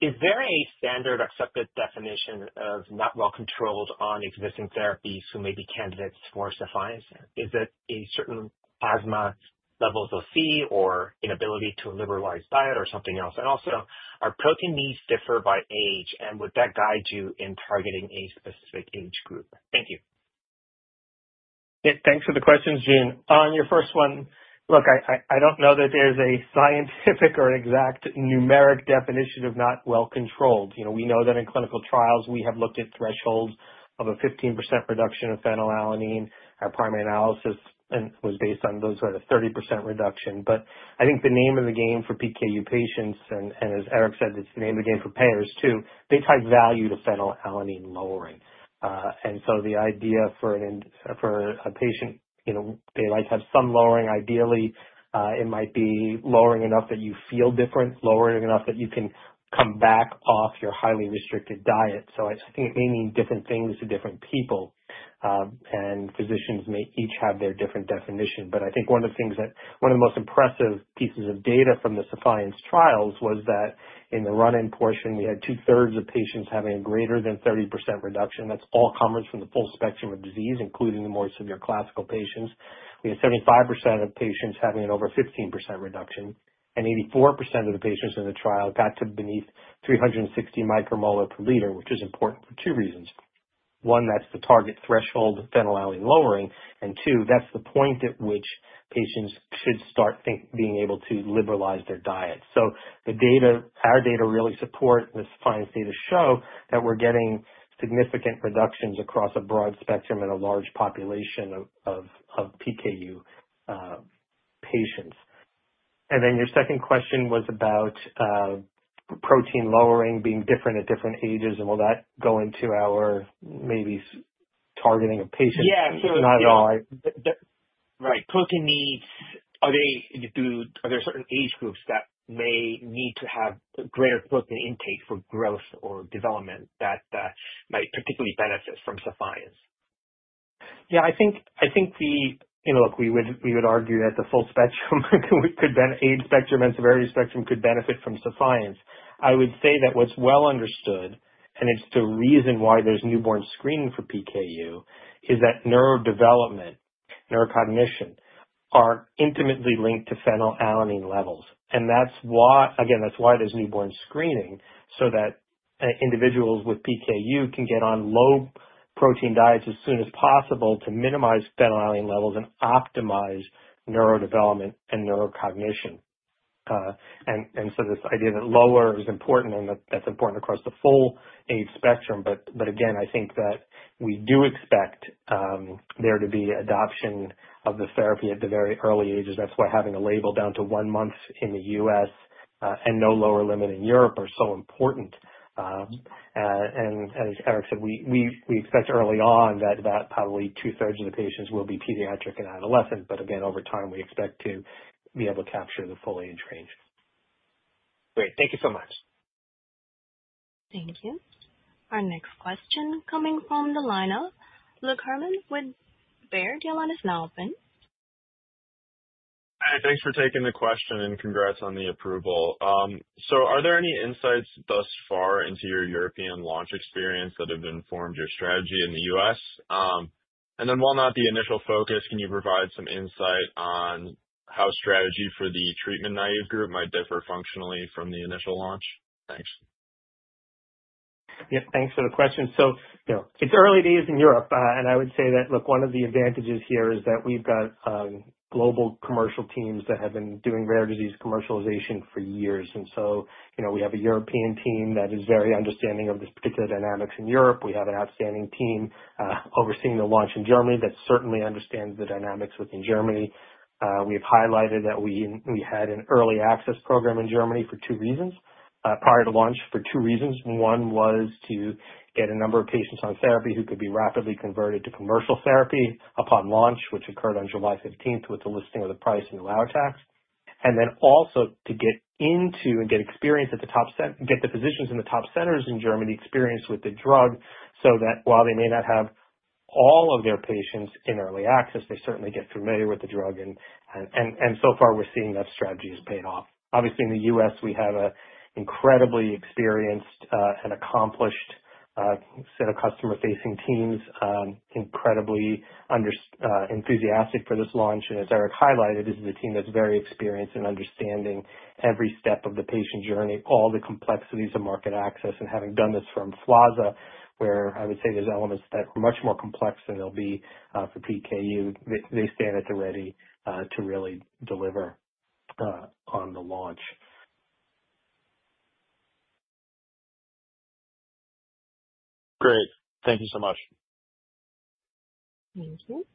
Is there a standard accepted definition of not well controlled on existing therapies who may be candidates for Sephience? Is it a certain plasma level of phe or inability to liberalize diet or something else? Also, do protein needs differ by age and would that guide you in targeting a specific age group? Thank you. Thanks for the questions, Jean, on your first one. Look, I don't know that there's a scientific or exact numeric definition of not well controlled. We know that in clinical trials we have looked at thresholds of a 15% reduction of phenylalanine. Our primary analysis was based on those at a 30% reduction. I think the name of the game for PKU patients, and as Eric said, it's the name of the game for payers too, they tie value to phenylalanine lowering. The idea for a patient, they like to have some lowering, ideally it might be lowering enough that you feel different, lowering enough that you can come back off your highly restricted diet. I think it may mean different things to different people and physicians may each have their different definition. One of the most impressive pieces of data from the Sephience trials was that in the run-in portion, we had 2/3 of patients having a greater than 30% reduction. That's all comers from the full spectrum of disease, including more severe classical patients. We had 75% of patients having an over 15% reduction. 84% of the patients in the trial got to beneath 360 micromolar per liter, which is important for two reasons. One, that's the target threshold phenylalanine lowering, and two, that's the point at which patients should start being able to liberalize their diet. The data, our data really support this, data show that we're getting significant reductions across a broad spectrum and a large population of PKU patients. Your second question was about protein lowering being different at different ages and will that go into our maybe targeting of patients? Not at all. Right. Protein needs. Are there certain age groups that may need to have greater protein intake for growth or development that might particularly benefit from Sephience? Yeah, I think the, you know, look, we would argue that the full spectrum, both age spectrum and severity spectrum, could benefit from Sephience. I would say that what's well understood, and it's the reason why there's newborn screening for PKU, is that neurodevelopment and neurocognition are intimately linked to phenylalanine levels. That's why there's newborn screening, so that individuals with PKU can get on low protein diets as soon as possible to minimize phenylalanine levels and optimize neurodevelopment and neurocognition. This idea that lower is important, that's important across the full age spectrum. I think that we do expect there to be adoption of the therapy at the very early ages. That's why having a label down to one month in the U.S. and no lower limit in Europe are so important. As Eric said, we expect early on that probably 2/3 of the patients will be pediatric and adolescent. Over time we expect to be able to capture the full age range. Great. Thank you so much. Thank you. Our next question coming from the lineup, Luke Herrmann with Baird, your line is now open. Thanks for taking the question and congrats on the approval. Are there any insights thus far? Into your European launch experience that have. Informed your strategy in the U.S. While not the initial focus, can you provide some insight on how strategy. For the treatment naive group, might differ functionally from the initial launch? Thanks. Yeah, thanks for the question. It's early days in Europe, and I would say that one of the advantages here is that we've got global commercial teams that have been doing rare disease commercialization for years. We have a European team that is very understanding of the particular dynamics in Europe. We have an outstanding team overseeing the launch in Germany that certainly understands the dynamics within Germany. We have highlighted that we had an early access program in Germany for two reasons prior to launch. One was to get a number of patients on therapy who could be rapidly converted to commercial therapy upon launch, which occurred on July 15th with the listing of the price and the lower tax. Also, to get experience at the top, get the physicians in the top centers in Germany experienced with the drug so that while they may not have all of their patients in early access, they certainly get familiar with the drug. So far, we're seeing that strategy has paid off. Obviously, in the U.S., we have an incredibly experienced and accomplished set of customer-facing teams, incredibly enthusiastic for this launch. As Eric highlighted, this is a team that's very experienced in understanding every step of the patient journey, all the complexities of market access. Having done this from Emflaza, where I would say there's elements that are much more complex than they'll be for PKU, they stand at the ready to really deliver on the launch. Great. Thank you so much. Thank you.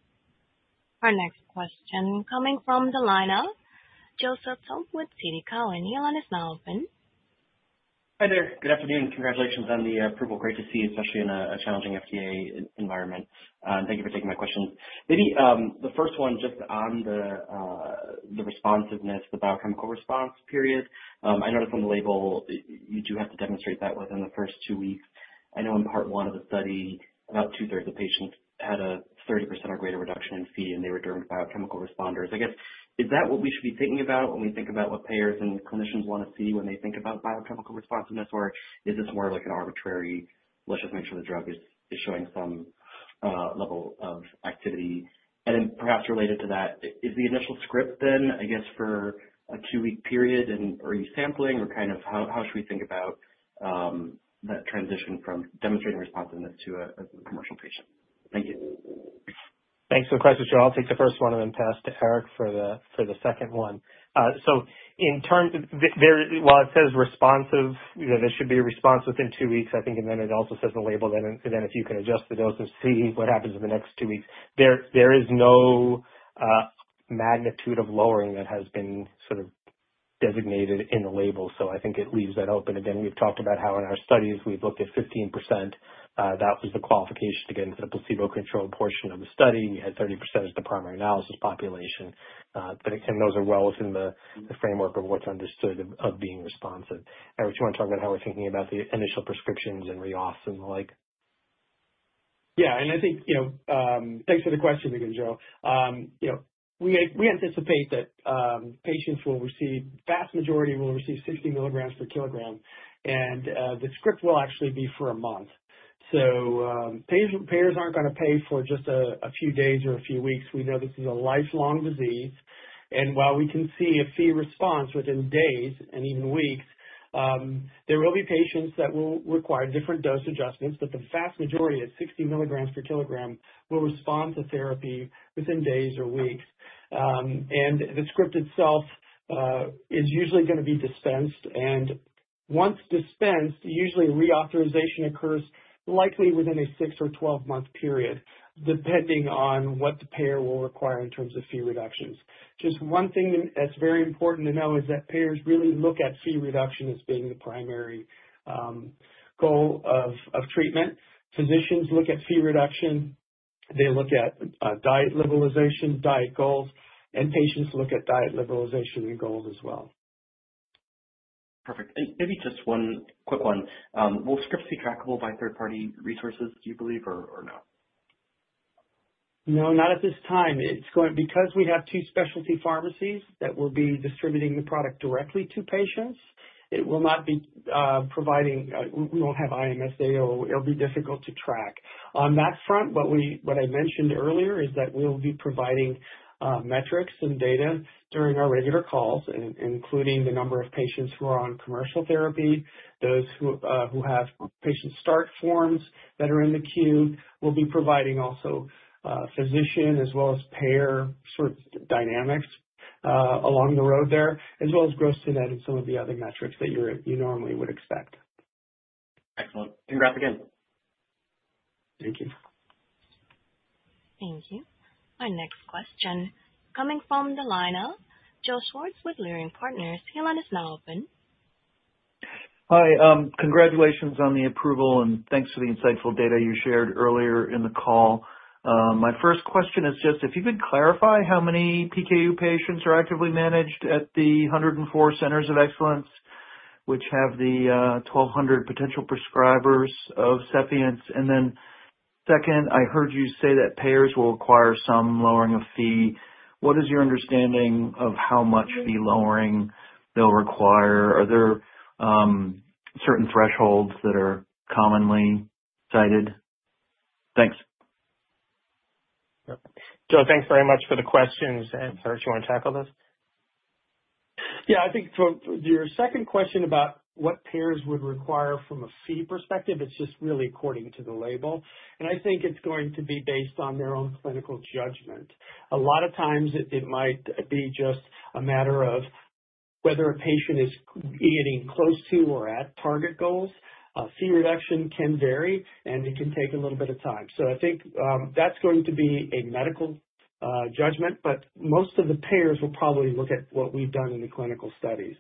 Our next question coming from the lineup, Joseph Thome with TD Cowen and Ellen is now open. Hi there. Good afternoon. Congratulations on the approval. Great to see, especially in a challenging FDA environment. Thank you for taking my questions. Maybe the first one just on the. Responsiveness, the biochemical response period I noticed on the label, you do have to demonstrate that within the first two weeks. I know in part one of the study, about 2/3 of patients had a 30% or greater reduction in Phe and they were biochemical responders, I guess. Is that what we should be thinking about when we think about what payers and clinicians want to see when they think about biochemical responsiveness? Or is this more like an arbitrary, just make sure the drug is showing some level of activity and then perhaps related to that is the initial script, then I guess for a two week period. Are you sampling or kind of how should we think about that transition from demonstrating responsiveness to a commercial patient? Thank you. Thanks for the question. I'll take the first one and then pass to Eric for the second one. In terms while it says responsive. There should be response within two weeks, I think. It also says the label, if you can adjust the dose and see what happens in the next two weeks, there is no magnitude of lowering that has been sort of designated in the label. I think it leaves that open. We've talked about how in our studies we've looked at 15%. That was the qualification to get into the placebo controlled portion of the study. You had 30% of the primary analysis population. Those are well within the framework of what's understood of being responsive. Eric, do you want to talk about how we're thinking about the initial prescriptions and re-offs and the like? Yeah, and I think, you know, thanks for the question again, Joe. We anticipate that patients will receive, vast majority will receive 60 milligrams per kg and the script will actually be for a month. Payers aren't going to pay for just a few days or a few weeks. We know this is a lifelong disease. While we can see a Phe response within days and even weeks, there will be patients that will require different dose adjustments. The vast majority at 60 milligrams per kg will respond to therapy within days or weeks. The script itself is usually going to be dispensed, and once dispensed, usually reauthorization occurs likely within a six or 12 month period, depending on what the payer will require. In terms of Phe reductions, just one thing that's very important to know is that payers really look at Phe reduction as being the primary goal of treatment. Physicians look at Phe reduction, they look at diet liberalization, diet goals and patients look at diet liberalization and goals as well. Perfect. Maybe just one quick one. Will scripts be trackable by third party resources, do you believe or no? No, not at this time. Because we have two specialty pharmacies that will be distributing the product directly to patients, it will not be providing. We won't have IMS data. It will be difficult to track on that front. What I mentioned earlier is that we'll be providing metrics and data during our regular calls, including the number of patients who are on commercial therapy, those who have patient start forms that are in the queue. We'll be providing also physician as well as payer sort of dynamics along the road there, as well as gross to net and some of the other metrics that you normally would expect. Excellent. Congrats again. Thank you. Thank you. Our next question coming from the lineup. Joe Schwartz with Leerink Partners. The line is now open. Hi. Congratulations on the approval and thanks for. the insightful data you shared earlier in the call. My first question is just if you. Could you clarify how many PKU patients are actively managed at the 104 Centers of Excellence which have the 1,200 potential prescribers of Sephience? Then second, I heard you say. That payers will require some lowering of Phe. What is your understanding of how much Phe lowering they'll require? Are there certain thresholds that are commonly cited? Thanks. Joe. Thanks very much for the questions. Do you want to tackle this? Yeah, I think your second question about what payers would require from a Phe perspective, it's just really according to the label, and I think it's going to be based on their own clinical judgment. A lot of times it might be just a matter of whether a patient is getting close to or at target goals. Phe reduction can vary, and it can take a little bit of time. I think that's going to be a medical judgment. Most of the payers will probably. Look at what we've done. Clinical studies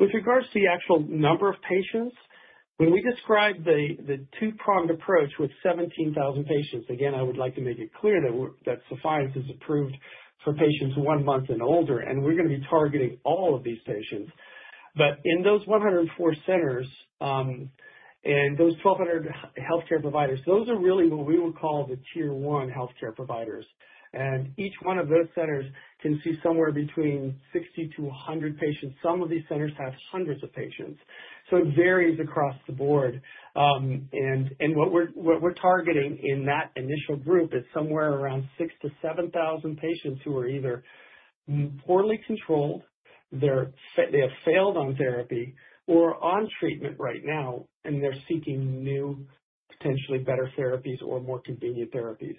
with regards to the actual number of patients. When we describe the two-pronged approach with 17,000 patients, again, I would like to make it clear that Sephience is approved for patients one month and older and we're going to be targeting all of these patients. In those 104 centers and those 1,200 healthcare providers, those are really what we would call the tier one healthcare providers. Each one of those centers can see somewhere between 60-100 patients. Some of these centers have hundreds of patients. It varies across the board. What we're targeting in that initial group is somewhere around 6,000-7,000 patients who are either poorly controlled, they have failed on therapy or on treatment right now and they're seeking new potentially better therapies or more convenient therapies.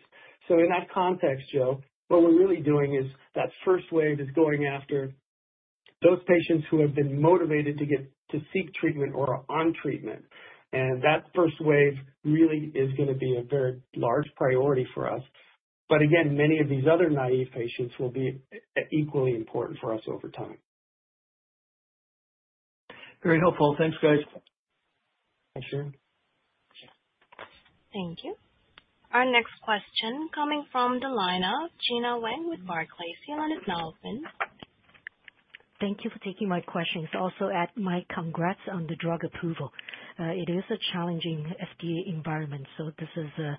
In that context, Joe, what we're really doing is that first wave is going after those patients who have been motivated to seek treatment or are on treatment. That first wave really is going to be a very large priority for us. Many of these other naive patients will be equally important for us over time. Very helpful. Thanks, guys. Thanks, Sharon. Thank you. Our next question coming from the line of Gena Wang with Barclays. Thank you for taking my questions. Also add my congrats on the drug approval. It is a challenging FDA environment, so this is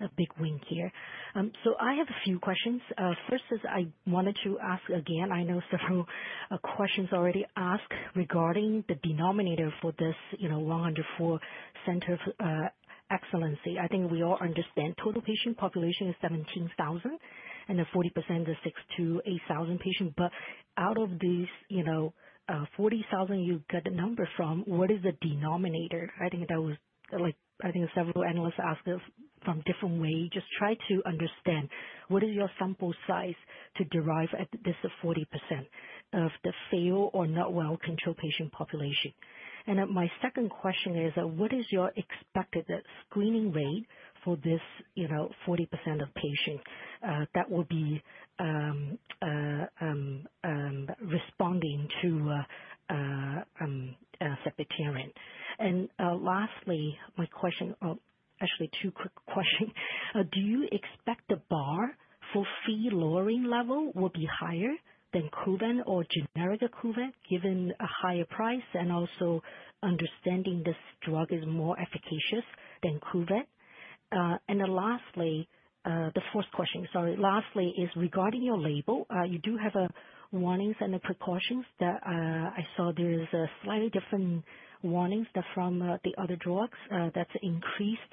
a big win here. I have a few questions. First is I wanted to ask again, I know several questions already asked regarding the denominator for this 104 Center of Excellence. I think we all understand total patient population is 17,000 and then 40% is 6,000-8,000 patients. Out of these 40%, you got the number from what is the denominator? I think several analysts asked from different way. Just try to understand what is your sample size to derive at this 40% of the failed or not well controlled patient population. My second question is what is your expected screening rate for this 40% of patients that will be responding to sepiapterin? Lastly, my question actually two quick questions. Do you expect the bar for Phe lowering level will be higher than Kuvan or generic Kuvan given a higher price and also understanding this drug is more efficacious than Kuvan? Lastly, the fourth question, sorry, lastly is regarding your label. You do have warnings and precautions. I saw there is slightly different warnings from the other drugs, that's increased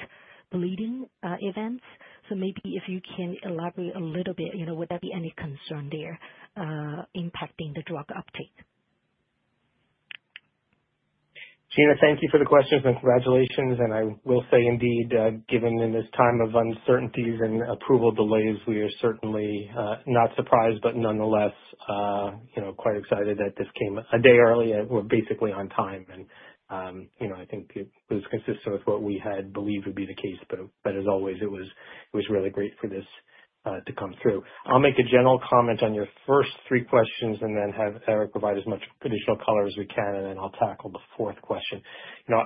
bleeding events. Maybe if you can elaborate a little bit, would that be any concern there impacting the drug uptake? Gena, thank you for the questions and congratulations. I will say indeed, given in this time of uncertainties and approval delays, we are certainly not surprised but nonetheless quite excited that this came a day early. We're basically on time, and I think it was consistent with what we had believed would be the case. As always, it was really great for this to come through. I'll make a general comment on your first three questions and then have Eric provide as much additional color as we can, and then I'll tackle the fourth question.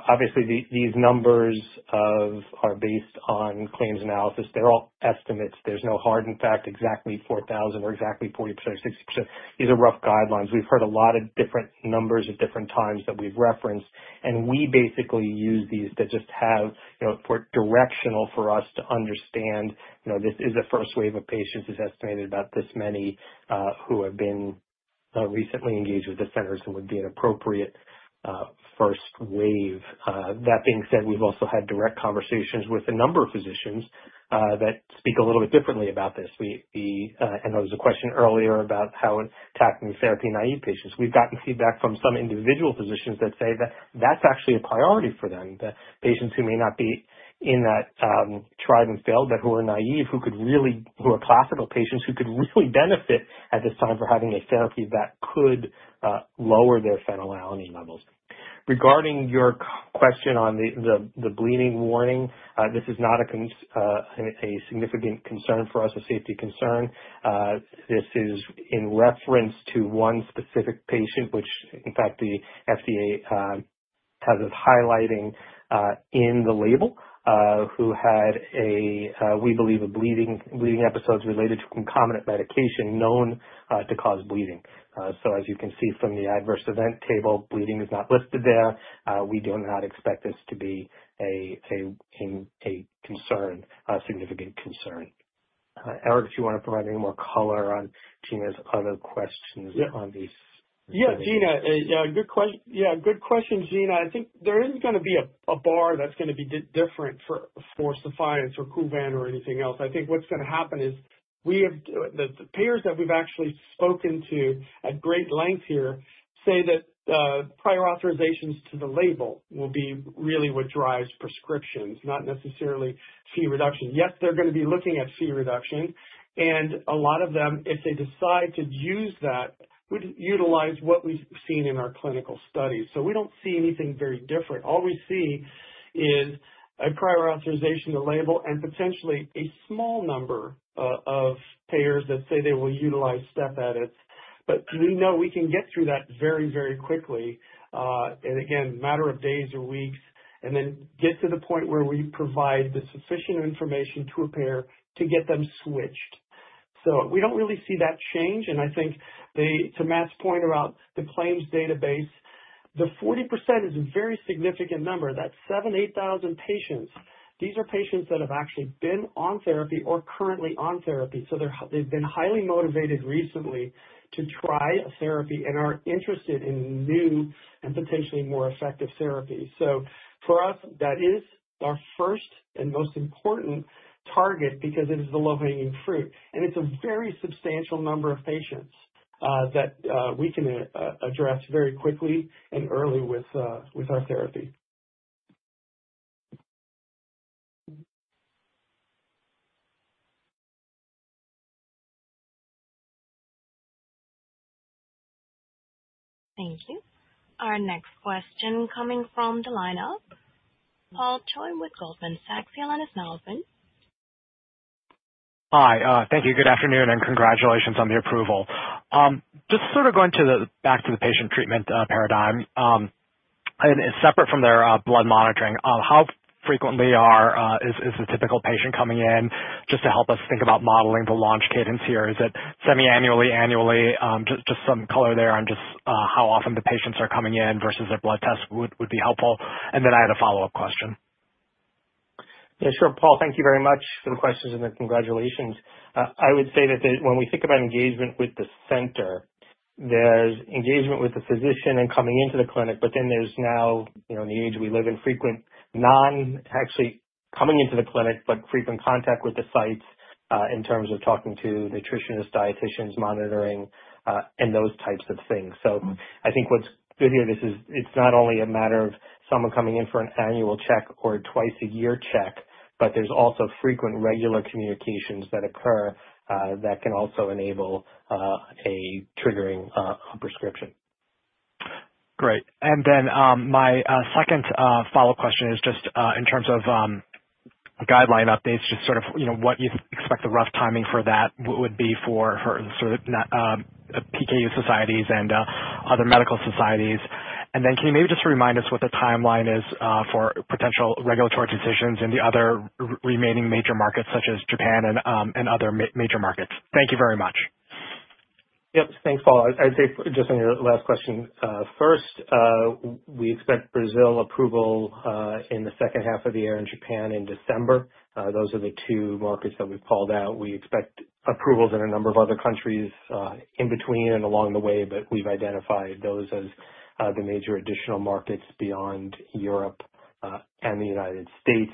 Obviously, these numbers are based on claims analysis. They're all estimates. There's no hard, in fact, exactly 4,000 or exactly 40% or 60%. These are rough guidelines. We've heard a lot of different numbers at different times that we've referenced, and we basically use these to just have, you know, directional for us to understand. This is a first wave of patients. It's estimated about this many who have been recently engaged with the centers and would be an appropriate first wave. That being said, we've also had direct conversations with a number of physicians that speak a little bit differently about this. There was a question earlier about how attacking therapy-naive patients. We've gotten feedback from some individual physicians that say that that's actually a priority for them. The patients who may not be in that tried and failed, but who are naive, who could really, who are classical patients who could really benefit at this time for having a therapy that could lower their phenylalanine levels. Regarding your question on the bleeding warning, this is not a concern, a significant concern for us, a safety concern. This is in reference to one specific patient, which in fact the FDA has us highlighting in the label, who had a, we believe, a bleeding episode related to concomitant medication known to cause bleeding. As you can see from the adverse event table, bleeding is not listed there. We do not expect it to be a concern, a significant concern. Eric, do you want to provide any more color on Gena's other questions on these? Yeah, Gena. Good question. Gena, I think there is going to be a bar that's going to be different for Sephience or Kuvan or anything else. I think what's going to happen is we have the payers that we've actually spoken to at great length here say that prior authorizations to the label will be really what drives prescriptions, not necessarily Phe reduction. Yes, they're going to be looking at Phe reduction and a lot of them, if they decide to use that, would utilize what we've seen in our clinical studies. We don't see anything very different. All we see is a prior authorization to label and potentially a small number of payers that say they will utilize step edits. We know we can get through that very, very quickly, and again, matter of days or weeks, and then get to the point where we provide the sufficient information to a payer to get them switched. We don't really see that change. I think to Matt's point about the claims database, the 40% is a very significant number, that's 7,000-8,000 patients. These are patients that have actually been on therapy or currently on therapy. They've been highly motivated recently to try a therapy and are interested in new and potentially more effective therapies. For us, that is our first and most important target because it is the low hanging fruit and it's a very substantial number of patients that we can address very quickly and early with our therapy. Thank you. Our next question coming from the lineup. Paul Choi with Goldman Sachs. The line is now open. Hi, thank you. Good afternoon, and congratulations on the approval. Just going back to the. Patient treatment paradigm separate from their blood monitoring. How frequently is the typical patient coming in? Just to help us think about modeling the launch cadence here, is it semiannually? Annually. Just some color there on just how often the patients are coming in versus a blood test would be helpful. I had a follow up question. Sure. Paul, thank you very much for that. Questions and the congratulations. I would say that when we think about engagement with the center, there's engagement with the physician and coming into the clinic. There's now, in the age we live in, frequent not actually coming into the clinic, but frequent contact with the sites in terms of talking to nutritionists, dietitians, monitoring, and those types of things. I think what's good here is it's not only a matter of someone coming in for an annual check or twice a year check, but there's also frequent regular communications that occur that can also enable a triggering prescription. Great. My second follow up question. In terms of guideline updates, just sort of what you expect, the rough timing for that would be for PKU societies and other medical societies. Can you maybe just remind us what the timeline is for potential regulatory decisions in the other remaining major markets such as Japan and other major markets? Thank you very much. Yes, thanks Paul. I'd say just on your last question first, we expect Brazil approval in the second half of the year and Japan in December. Those are the two markets that we've called out. We expect approvals in a number of other countries in between and along the way, but we've identified those as the major additional markets beyond Europe and the United States.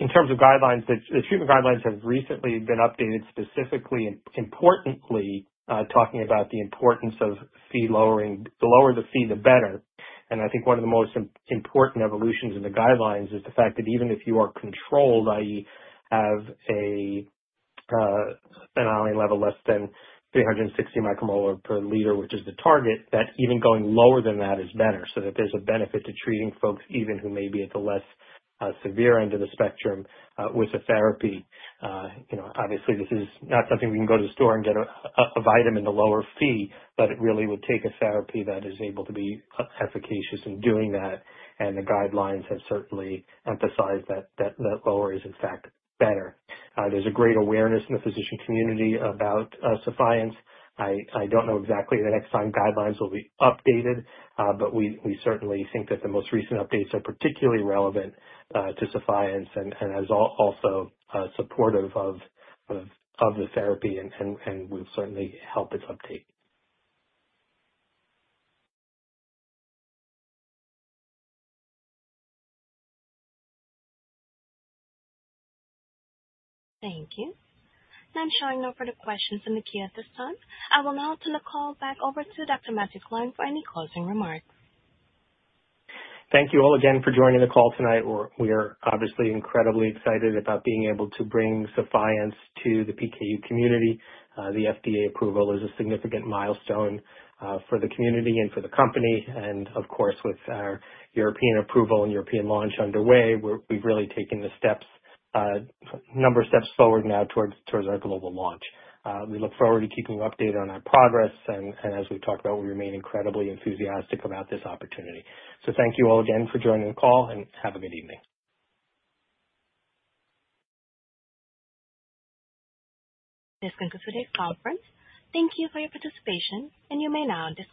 In terms of guidelines, the treatment guidelines have recently been updated, specifically and importantly talking about the importance of Phe lowering. The lower the Phe, the better. I think one of the most important evolutions in the guidelines is the fact that even if you are controlled, that is, have a Phe level less than 360 micromolar per liter, which is the target, that even going lower than that is better. There is a benefit to treating folks, even who may be at the less severe end of the spectrum, with a therapy. Obviously, this is not something we can go to the store and get a vitamin, a lower Phe, but it really would take a therapy that is able to be efficacious in doing that. The guidelines have certainly emphasized that lower is in fact better. There's a great awareness in the physician community about Sephience. I don't know exactly the next time guidelines will be updated, but we certainly think that the most recent updates are particularly relevant to Sephience and is also supportive of the therapy and will certainly help its uptake. Thank you. I'm showing no further questions in the queue at this time. I will now turn the call back over to Dr. Matthew Klein for any closing remarks. Thank you all again for joining the call tonight. We are obviously incredibly excited about being able to bring Sephience to the PKU community. The FDA approval is a significant milestone for the community and for the company. With our European approval and European launch underway, we've really taken a number of steps forward now towards our global launch. We look forward to keeping you updated on our progress, and as we talked about, we remain incredibly enthusiastic about this opportunity. Thank you all again for joining the call and have a good evening. This concludes today's conference. Thank you for your participation. You may now disconnect.